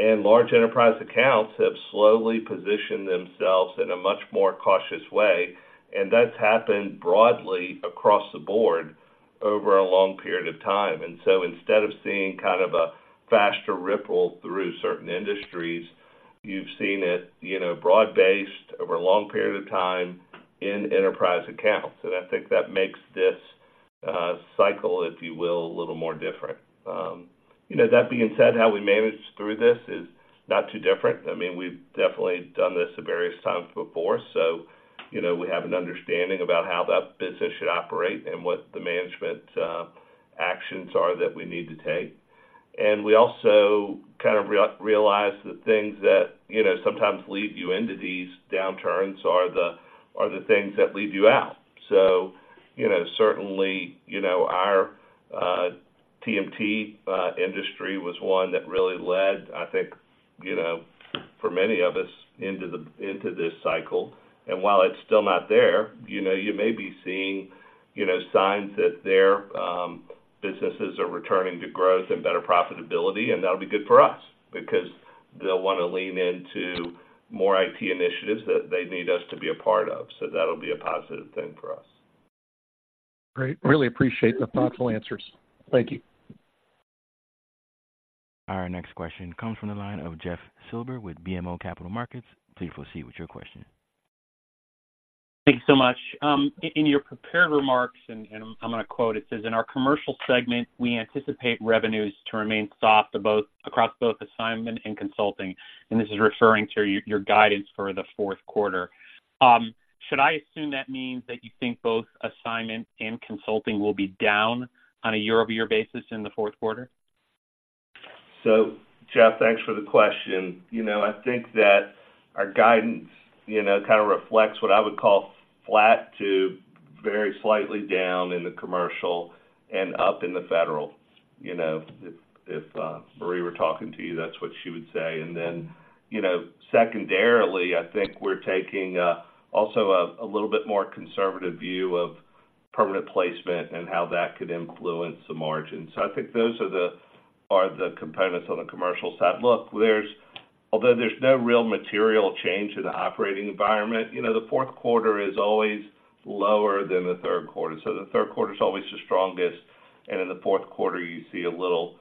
S3: and large enterprise accounts have slowly positioned themselves in a much more cautious way, and that's happened broadly across the board over a long period of time. And so instead of seeing kind of a faster ripple through certain industries, you've seen it, you know, broad-based over a long period of time in enterprise accounts. And I think that makes this cycle, if you will, a little more different. You know, that being said, how we manage through this is not too different. I mean, we've definitely done this various times before, so, you know, we have an understanding about how that business should operate and what the management actions are that we need to take. And we also kind of realize the things that, you know, sometimes lead you into these downturns are the things that lead you out. So, you know, certainly, you know, our TMT industry was one that really led, I think, you know, for many of us into this cycle. And while it's still not there, you know, you may be seeing, you know, signs that their businesses are returning to growth and better profitability, and that'll be good for us because they'll want to lean into more IT initiatives that they need us to be a part of. So, that'll be a positive thing for us.
S8: Great. Really appreciate the thoughtful answers. Thank you.
S1: Our next question comes from the line of Jeff Silber with BMO Capital Markets. Please proceed with your question.
S9: Thank you so much. In your prepared remarks, and I'm going to quote, it says, "In our Commercial segment, we anticipate revenues to remain soft to both-- across both Assignment and Consulting," and this is referring to your guidance for the fourth quarter. Should I assume that means that you think both Assignment and Consulting will be down on a year-over-year basis in the fourth quarter?
S3: So, Jeff, thanks for the question. You know, I think that our guidance, you know, kind of reflects what I would call flat to very slightly down in the Commercial and up in the Federal. You know, if Marie were talking to you, that's what she would say. And then, you know, secondarily, I think we're taking also a little bit more conservative view of Permanent Placement and how that could influence the margins. So, I think those are the components on the Commercial side. Look, although there's no real material change in the operating environment, you know, the fourth quarter is always lower than the third quarter. So, the third quarter is always the strongest, and in the fourth quarter, you see a little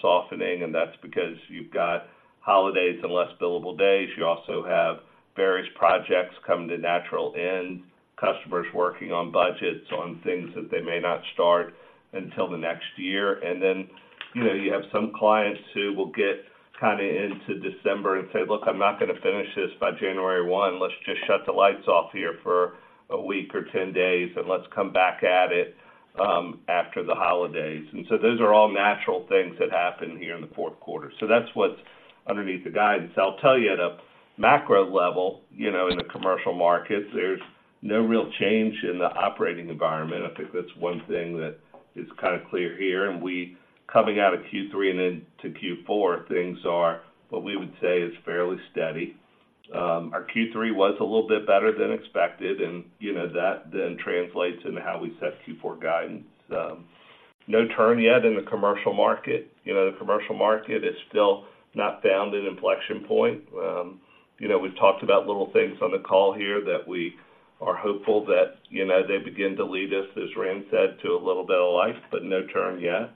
S3: softening, and that's because you've got holidays and less billable days. You also have various projects coming to natural end, customers working on budgets on things that they may not start until the next year. And then, you know, you have some clients who will get kind of into December and say, "Look, I'm not going to finish this by January 1. Let's just shut the lights off here for a week or 10 days, and let's come back at it, after the holidays." And so those are all natural things that happen here in the fourth quarter. So, that's what's underneath the guidance. I'll tell you, at a macro level, you know, in the Commercial markets, there's no real change in the operating environment. I think that's one thing that is kind of clear here, and we're coming out of Q3 and into Q4, things are, what we would say, is fairly steady. Our Q3 was a little bit better than expected, and, you know, that then translates into how we set Q4 guidance. No turn yet in the Commercial market. You know, the Commercial market is still not found an inflection point. You know, we've talked about little things on the call here that we are hopeful that, you know, they begin to lead us, as Rand said, to a little bit of life, but no turn yet.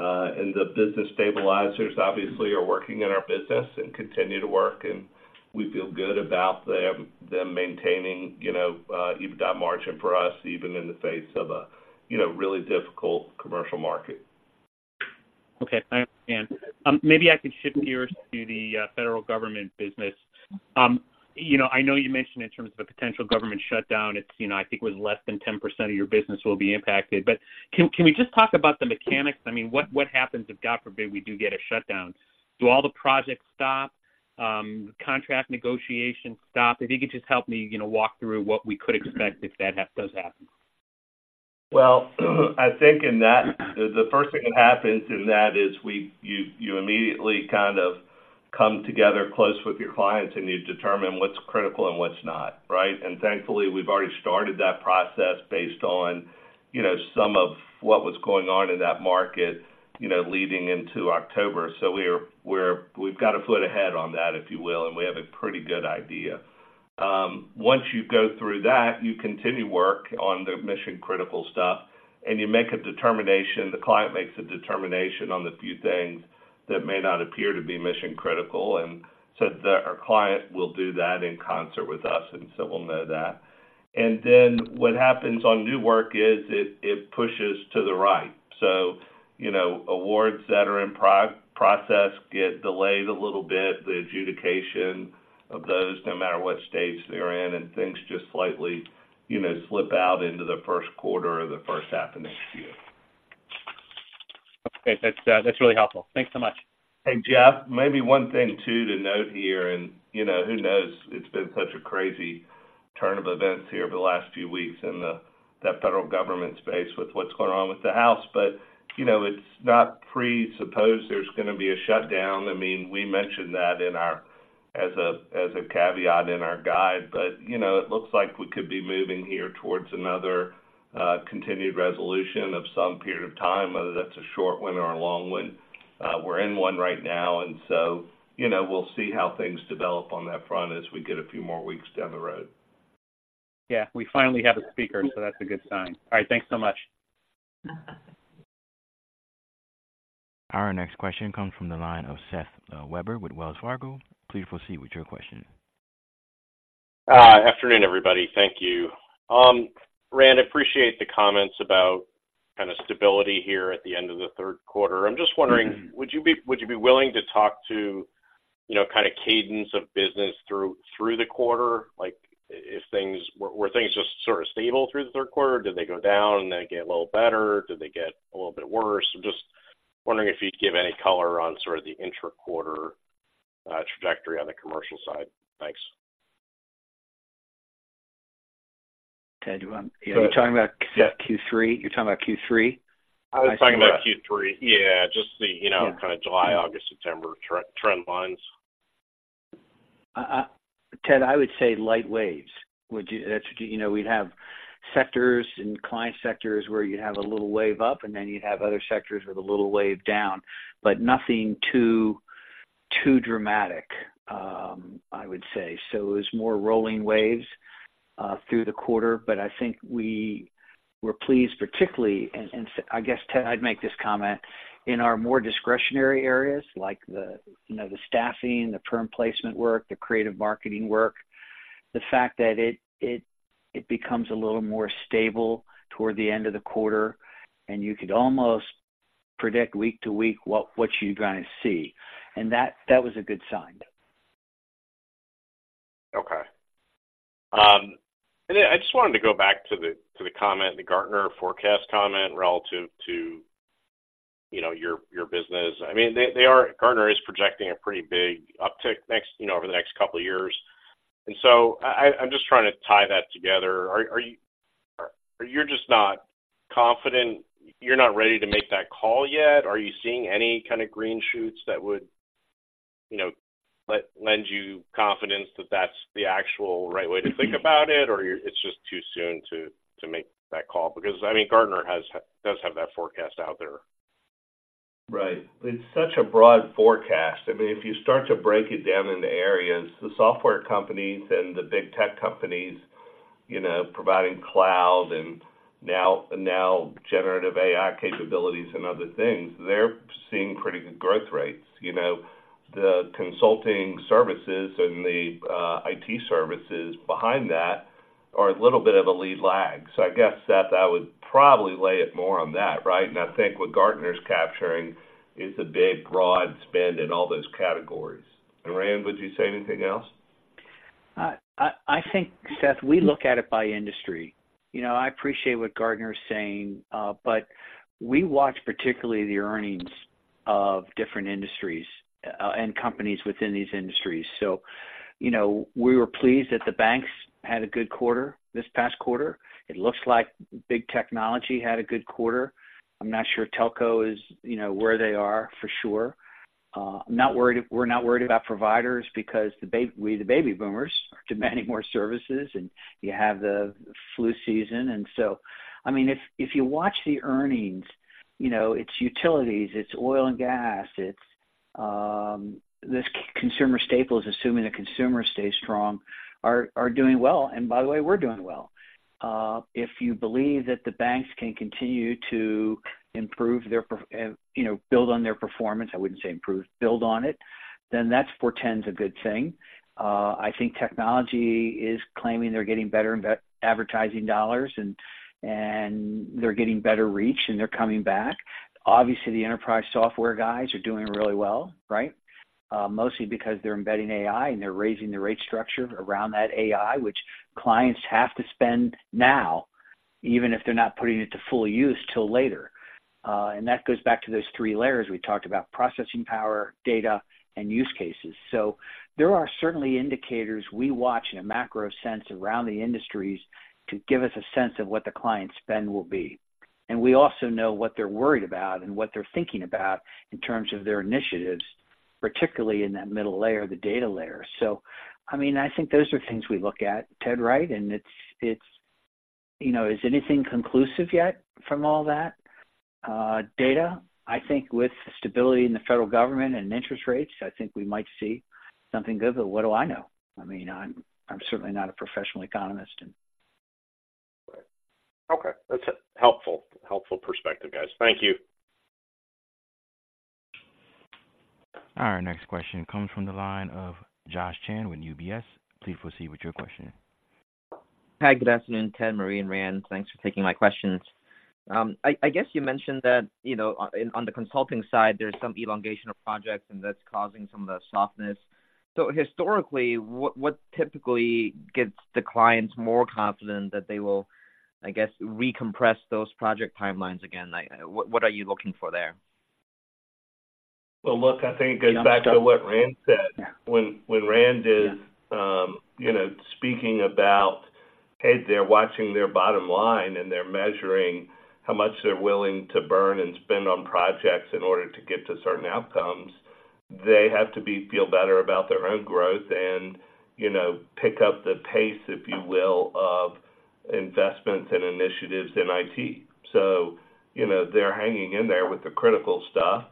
S3: And the business stabilizers, obviously, are working in our business and continue to work, and we feel good about them, them maintaining, you know, EBITDA margin for us, even in the face of a, you know, really difficult Commercial market.
S9: Okay, I understand. Maybe I could shift gears to the Federal Government business. You know, I know you mentioned in terms of a potential government shutdown, it's, you know, I think it was less than 10% of your business will be impacted. But can we just talk about the mechanics? I mean, what happens if, God forbid, we do get a shutdown? Do all the projects stop? Contract negotiations stop? If you could just help me, you know, walk through what we could expect if that does happen.
S3: Well, I think in that, the first thing that happens in that is you immediately kind of come together close with your clients, and you determine what's critical and what's not, right? And thankfully, we've already started that process based on, you know, some of what was going on in that market, you know, leading into October. So, we've got a foot ahead on that, if you will, and we have a pretty good idea. Once you go through that, you continue work on the mission-critical stuff, and you make a determination, the client makes a determination on the few things that may not appear to be mission-critical, and so our client will do that in concert with us, and so we'll know that. And then what happens on new work is it pushes to the right. You know, awards that are in process get delayed a little bit, the adjudication of those, no matter what stage they're in, and things just slightly, you know, slip out into the first quarter or the first half of next year.
S9: Okay. That's, that's really helpful. Thanks so much.
S3: And, Jeff, maybe one thing, too, to note here, and, you know, who knows? It's been such a crazy turn of events here over the last few weeks in the, that Federal Government space with what's going on with the House. But, you know, it's not presupposed there's going to be a shutdown. I mean, we mentioned that in our, as a, as a caveat in our guide, but, you know, it looks like we could be moving here towards another, Continuing Resolution of some period of time, whether that's a short one or a long one. We're in one right now, and so, you know, we'll see how things develop on that front as we get a few more weeks down the road.
S9: Yeah, we finally have a speaker, so that's a good sign. All right. Thanks so much.
S1: Our next question comes from the line of Seth Weber with Wells Fargo. Please proceed with your question.
S10: Afternoon, everybody. Thank you. Rand, appreciate the comments about kind of stability here at the end of the third quarter. I'm just wondering, would you be willing to talk to-... you know, kind of cadence of business through the quarter? Like, if things were just sort of stable through the third quarter, or did they go down and then get a little better? Did they get a little bit worse? I'm just wondering if you'd give any color on sort of the intra-quarter trajectory on the Commercial side. Thanks.
S6: Ted, do you want- You're talking about Q3? You're talking about Q3?
S10: I was talking about Q3. Yeah, just the, you know, kind of July, August, September trend, trend lines.
S6: Ted, I would say light waves, which is, that's, you know, we'd have sectors and client sectors where you'd have a little wave up, and then you'd have other sectors with a little wave down, but nothing too, too dramatic, I would say. So, it was more rolling waves through the quarter, but I think we were pleased, particularly. And, and I guess, Ted, I'd make this comment, in our more discretionary areas, like the, you know, the staffing, the perm placement work, the creative marketing work. The fact that it becomes a little more stable toward the end of the quarter, and you could almost predict week to week what you're going to see. And that was a good sign.
S10: Okay. And I just wanted to go back to the, to the comment, the Gartner forecast comment relative to, you know, your, your business. I mean, they, they are. Gartner is projecting a pretty big uptick next, you know, over the next couple of years. And so I, I, I'm just trying to tie that together. Are, are you- you're just not confident. You're not ready to make that call yet? Are you seeing any kind of green shoots that would, you know, lend you confidence that that's the actual right way to think about it? Or it's just too soon to, to make that call, because, I mean, Gartner has, does have that forecast out there.
S3: Right. It's such a broad forecast. I mean, if you start to break it down into areas, the software companies and the big tech companies, you know, providing cloud and now generative AI capabilities and other things, they're seeing pretty good growth rates. You know, the Consulting services and the IT services behind that are a little bit of a lead lag. So, I guess, Seth, I would probably lay it more on that, right? And I think what Gartner's capturing is a big, broad spend in all those categories. And Rand, would you say anything else?
S6: I think, Seth, we look at it by industry. You know, I appreciate what Gartner is saying, but we watch particularly the earnings of different industries and companies within these industries. So, you know, we were pleased that the banks had a good quarter this past quarter. It looks like big technology had a good quarter. I'm not sure telco is, you know, where they are for sure. I'm not worried—we're not worried about providers because we, the baby boomers, are demanding more services, and you have the flu season. And so, I mean, if you watch the earnings, you know, it's utilities, it's oil and gas, it's this consumer staples, assuming the consumer stays strong, are doing well. And by the way, we're doing well. If you believe that the banks can continue to improve their perf-- you know, build on their performance, I wouldn't say improve, build on it, then that's, for ten's a good thing. I think technology is claiming they're getting better in ve- advertising dollars, and, and they're getting better reach, and they're coming back. Obviously, the enterprise software guys are doing really well, right? Mostly because they're embedding AI, and they're raising the rate structure around that AI, which clients have to spend now, even if they're not putting it to full use till later. And that goes back to those three layers we talked about, processing power, data, and use cases. So, there are certainly indicators we watch in a macro sense around the industries to give us a sense of what the client spend will be. And we also know what they're worried about and what they're thinking about in terms of their initiatives, particularly in that middle layer, the data layer. So, I mean, I think those are things we look at, Ted, right? And it's, it's... You know, is anything conclusive yet from all that data? I think with stability in the Federal Government and interest rates, I think we might see something good, but what do I know? I mean, I'm certainly not a professional economist, and-
S10: Okay, that's helpful. Helpful perspective, guys. Thank you.
S1: All right, next question comes from the line of Josh Chan with UBS. Please proceed with your question.
S11: Hi, good afternoon, Ted, Marie, and Rand. Thanks for taking my questions. I guess you mentioned that, you know, on the Consulting side, there's some elongation of projects, and that's causing some of the softness. So historically, what typically gets the clients more confident that they will, I guess, recompress those project timelines again? Like, what are you looking for there?
S3: Well, look, I think it goes back to what Rand said.
S6: Yeah.
S3: When Rand is, you know, speaking about, hey, they're watching their bottom line, and they're measuring how much they're willing to burn and spend on projects in order to get to certain outcomes, they have to feel better about their own growth and, you know, pick up the pace, if you will, of investments and initiatives in IT. So, you know, they're hanging in there with the critical stuff.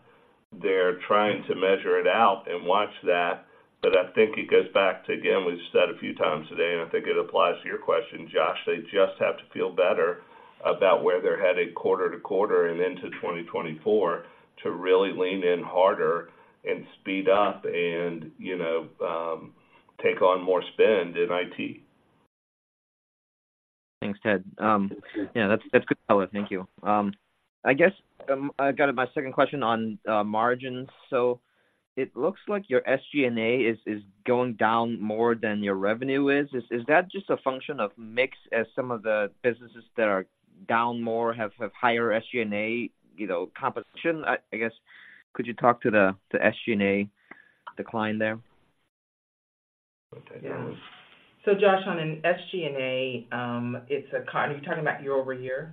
S3: They're trying to measure it out and watch that. But I think it goes back to, again, we've said a few times today, and I think it applies to your question, Josh. They just have to feel better about where they're headed quarter to quarter and into 2024 to really lean in harder and speed up and, you know, take on more spend in IT....
S11: Thanks, Ted. Yeah, that's good color. Thank you. I guess I got my second question on margins. So, it looks like your SG&A is going down more than your revenue is. Is that just a function of mix as some of the businesses that are down more have higher SG&A, you know, composition? I guess, could you talk to the SG&A decline there?
S4: So Josh, on an SG&A, are you talking about year-over-year?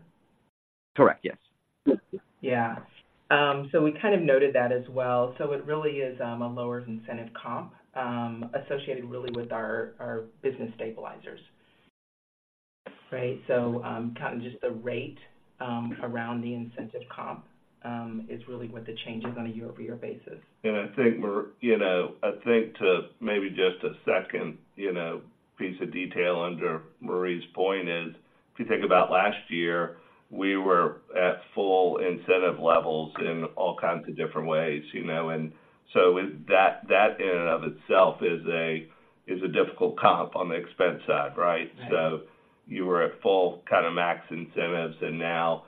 S11: Correct. Yes.
S4: Yeah. So, we kind of noted that as well. So, it really is a lower incentive comp associated really with our business stabilizers, right? So, kind of just the rate around the incentive comp is really what the change is on a year-over-year basis.
S3: I think, Marie, you know, I think to maybe just a second, you know, piece of detail under Marie's point is, if you think about last year, we were at full incentive levels in all kinds of different ways, you know, and so it. That in and of itself is a difficult comp on the expense side, right?
S4: Right.
S3: So, you were at full kind of max incentives, and now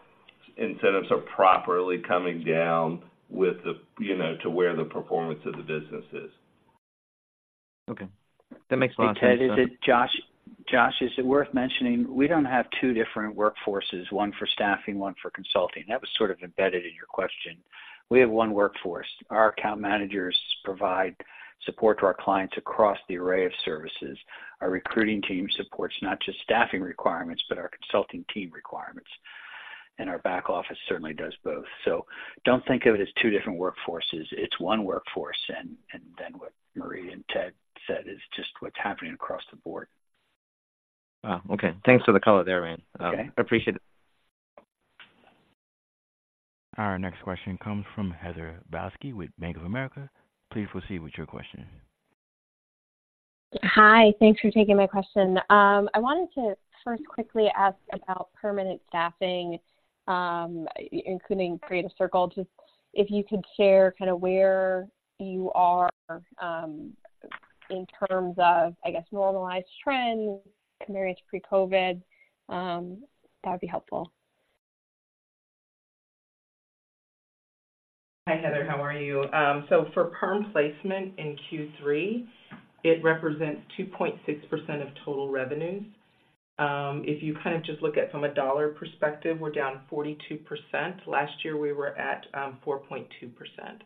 S3: incentives are properly coming down with the, you know, to where the performance of the business is.
S11: Okay, that makes more sense.
S6: Ted, is it Josh? Josh, is it worth mentioning, we don't have two different workforces, one for staffing, one for consulting. That was sort of embedded in your question. We have one workforce. Our account managers provide support to our clients across the array of services. Our recruiting team supports not just staffing requirements, but our consulting team requirements, and our back office certainly does both. So, don't think of it as two different workforces, it's one workforce, and, and then what Marie and Ted said is just what's happening across the board.
S11: Oh, okay. Thanks for the color there, man.
S6: Okay.
S11: Appreciate it.
S1: Our next question comes from Heather Balsky with Bank of America. Please proceed with your question.
S12: Hi, thanks for taking my question. I wanted to first quickly ask about permanent staffing, including Creative Circle. Just if you could share kind of where you are, in terms of, I guess, normalized trends compared to pre-COVID, that would be helpful.
S4: Hi, Heather. How are you? So, for perm placement in Q3, it represents 2.6% of total revenues. If you kind of just look at from a dollar perspective, we're down 42%. Last year, we were at 4.2% of total revenues.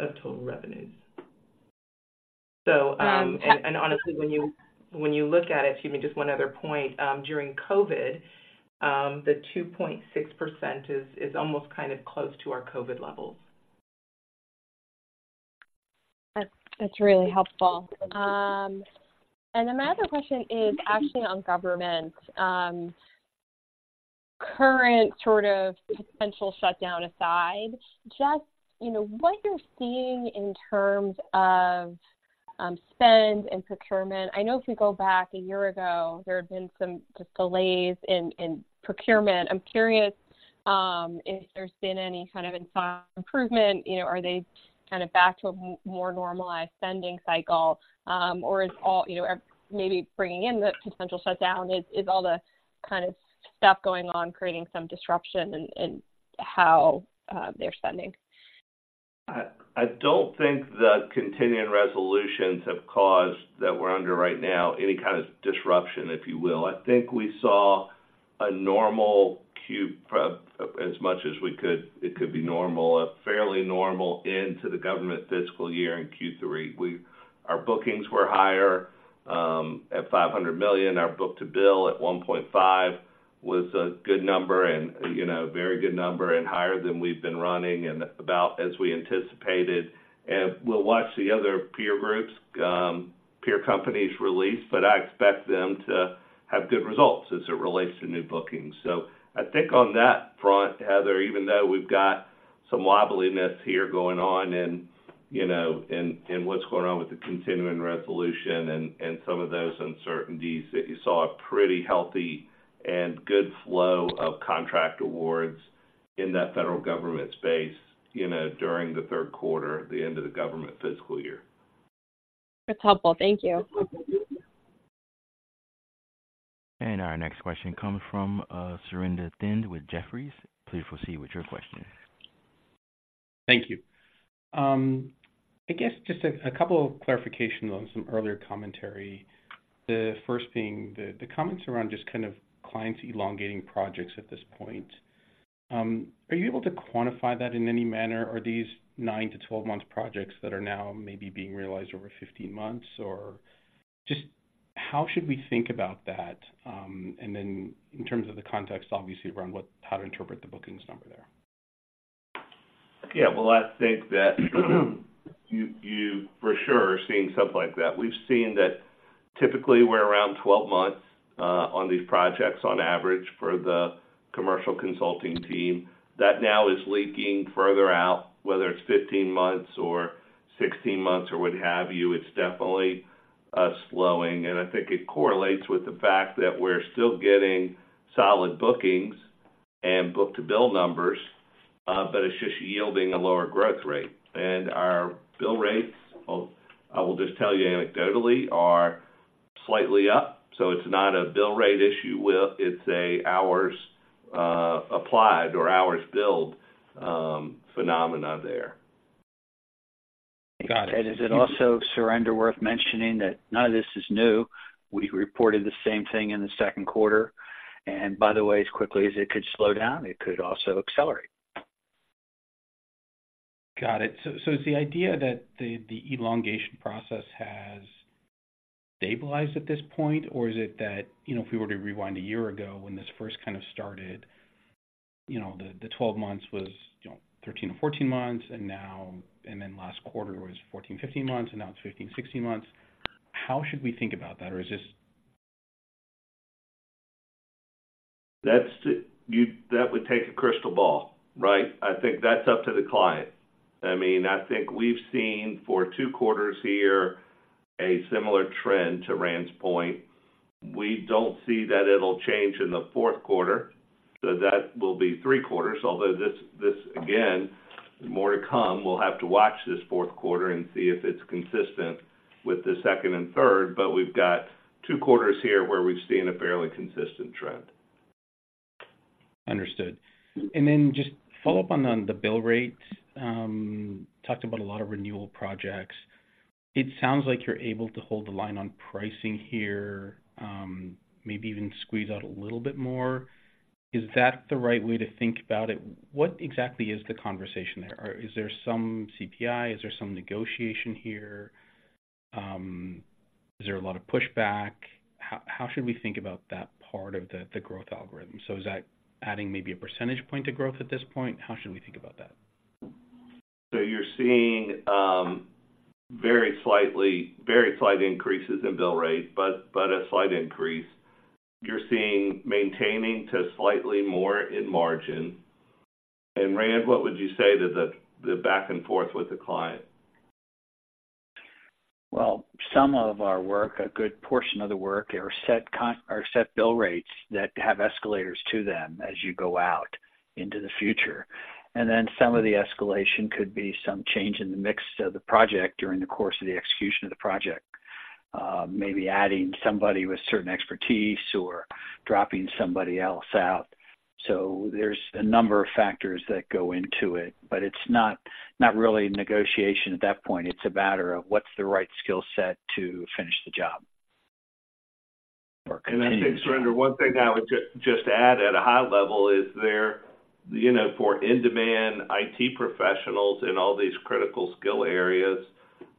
S4: So...
S12: Yeah.
S4: Honestly, when you look at it, if you mean just one other point, during COVID, the 2.6% is almost kind of close to our COVID levels.
S12: That's, that's really helpful. And then my other question is actually on government. Current sort of potential shutdown aside, just, you know, what you're seeing in terms of spend and procurement. I know if we go back a year ago, there had been some just delays in procurement. I'm curious if there's been any kind of inside improvement. You know, are they kind of back to a more normalized spending cycle? Or is all, you know, maybe bringing in the potential shutdown, is all the kind of stuff going on creating some disruption in how they're spending?
S3: I don't think the Continuing Resolutions have caused, that we're under right now, any kind of disruption, if you will. I think we saw a normal Q, as much as we could—it could be normal, a fairly normal end to the government fiscal year in Q3. Our bookings were higher, at $500 million. Our book-to-bill at 1.5 was a good number and, you know, a very good number and higher than we've been running and about as we anticipated. And we'll watch the other peer groups, peer companies release, but I expect them to have good results as it relates to new bookings. I think on that front, Heather, even though we've got some wobbliness here going on and, you know, what's going on with the Continuing Resolution and some of those uncertainties, that you saw a pretty healthy and good flow of contract awards in that Federal Government space, you know, during the third quarter, the end of the government fiscal year.
S12: That's helpful. Thank you.
S1: Our next question comes from Surinder Thind with Jefferies. Please proceed with your question.
S13: Thank you. I guess just a couple of clarifications on some earlier commentary. The first being the comments around just kind of clients elongating projects at this point. Are you able to quantify that in any manner? Are these 9 to 12-month projects that are now maybe being realized over 15 months? Or just how should we think about that, and then in terms of the context, obviously, around what - how to interpret the bookings number there?
S3: Yeah, well, I think that you for sure are seeing something like that. We've seen that typically we're around 12 months on these projects on average for the Commercial Consulting team. That now is lengthening further out, whether it's 15 months or 16 months or what have you. It's definitely slowing, and I think it correlates with the fact that we're still getting solid bookings.... and book-to-bill numbers, but it's just yielding a lower growth rate. And our bill rates, I will just tell you anecdotally, are slightly up, so it's not a bill rate issue with, it's hours applied or hours billed, phenomena there.
S13: Got it.
S6: And is it also, Surinder, worth mentioning that none of this is new? We reported the same thing in the second quarter, and by the way, as quickly as it could slow down, it could also accelerate.
S13: Got it. So, is the idea that the elongation process has stabilized at this point, or is it that, you know, if we were to rewind a year ago when this first kind of started, you know, the 12 months was, you know, 13 or 14 months, and now, and then last quarter was 14, 15 months, and now it's 15, 16 months. How should we think about that? Or is this-
S3: That's that would take a crystal ball, right? I think that's up to the client. I mean, I think we've seen for two quarters here a similar trend to Rand's point. We don't see that it'll change in the fourth quarter, so that will be three quarters. Although this, again, more to come. We'll have to watch this fourth quarter and see if it's consistent with the second and third, but we've got two quarters here where we've seen a fairly consistent trend.
S13: Understood. And then just follow up on the bill rate. Talked about a lot of renewal projects. It sounds like you're able to hold the line on pricing here, maybe even squeeze out a little bit more. Is that the right way to think about it? What exactly is the conversation there? Or is there some CPI? Is there some negotiation here? Is there a lot of pushback? How should we think about that part of the growth algorithm? So is that adding maybe a percentage point to growth at this point? How should we think about that?
S3: So, you're seeing very slight increases in bill rate, but a slight increase. You're seeing maintaining to slightly more in margin. And, Rand, what would you say to the back and forth with the client?
S6: Well, some of our work, a good portion of the work, are set bill rates that have escalators to them as you go out into the future. And then some of the escalation could be some change in the mix of the project during the course of the execution of the project. Maybe adding somebody with certain expertise or dropping somebody else out. So, there's a number of factors that go into it, but it's not, not really a negotiation at that point. It's a matter of what's the right skill set to finish the job or continue.
S3: I think, Surinder, one thing I would just add at a high level is, there you know, for in-demand IT professionals in all these critical skill areas,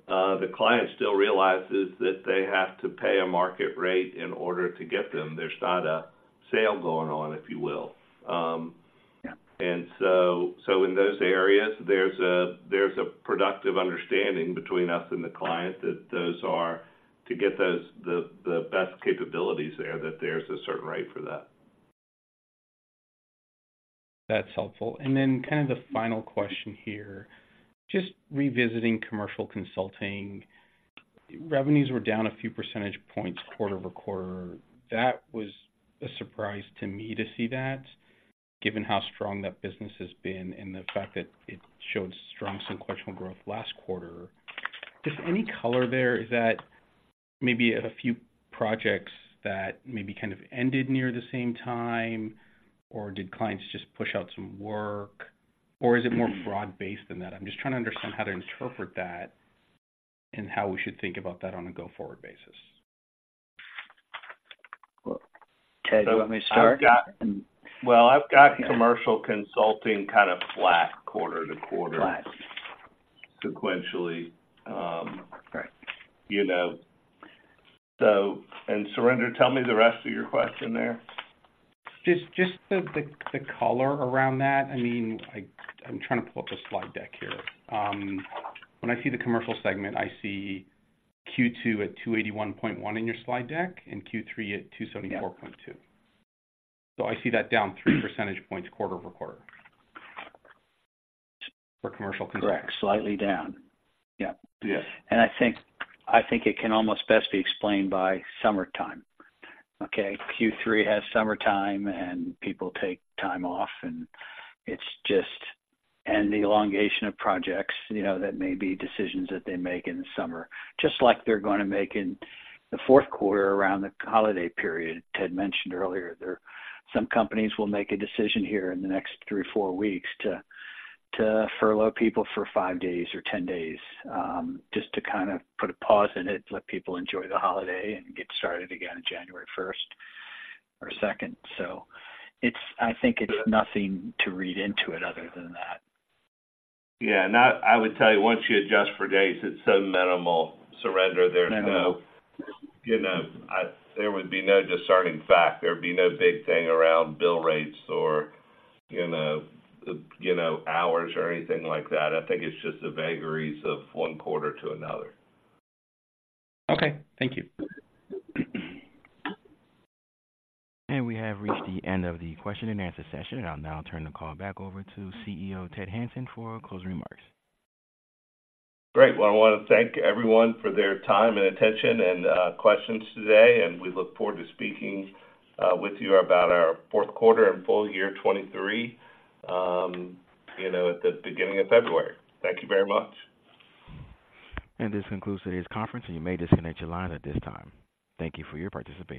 S3: the client still realizes that they have to pay a market rate in order to get them. There's not a sale going on, if you will.
S6: Yeah.
S3: So, in those areas, there's a productive understanding between us and the client that those are to get the best capabilities there, that there's a certain rate for that.
S13: That's helpful. Then kind of the final question here, just revisiting Commercial Consulting. Revenues were down a few percentage points quarter-over-quarter. That was a surprise to me to see that, given how strong that business has been and the fact that it showed strong sequential growth last quarter. Just any color there, is that maybe a few projects that maybe kind of ended near the same time, or did clients just push out some work, or is it more broad-based than that? I'm just trying to understand how to interpret that and how we should think about that on a go-forward basis.
S6: Well, Ted, you want me to start?
S3: Well, I've got Commercial Consulting kind of flat quarter to quarter-
S6: Flat....
S3: sequentially.
S13: Right.
S3: You know, so, and Surinder, tell me the rest of your question there.
S13: Just the color around that. I mean, I'm trying to pull up the slide deck here. When I see the Commercial segment, I see Q2 at $281.1 million in your slide deck, and Q3 at $274.2 million.
S6: Yeah.
S13: I see that down 3 percentage points quarter-over-quarter for Commercial contract.
S6: Correct. Slightly down. Yeah.
S3: Yes.
S6: I think it can almost best be explained by summertime, okay? Q3 has summertime, and people take time off, and it's just... And the elongation of projects, you know, that may be decisions that they make in the summer, just like they're going to make in the fourth quarter around the holiday period. Ted mentioned earlier, some companies will make a decision here in the next three or four weeks to furlough people for five days or 10 days, just to kind of put a pause in it, let people enjoy the holiday and get started again on January first or second. So, I think it's nothing to read into it other than that.
S3: Yeah. Now, I would tell you, once you adjust for days, it's so minimal. Surinder, there's no-
S13: Minimal....
S3: you know, there would be no discerning factor. There'd be no big thing around bill rates or, you know, you know, hours or anything like that. I think it's just the vagaries of one quarter to another.
S13: Okay, thank you.
S1: And we have reached the end of the question-and-answer session. I'll now turn the call back over to CEO, Ted Hanson, for closing remarks.
S3: Great. Well, I want to thank everyone for their time and attention and questions today, and we look forward to speaking with you about our fourth quarter and full year 2023, you know, at the beginning of February. Thank you very much.
S1: This concludes today's conference, and you may disconnect your line at this time. Thank you for your participation.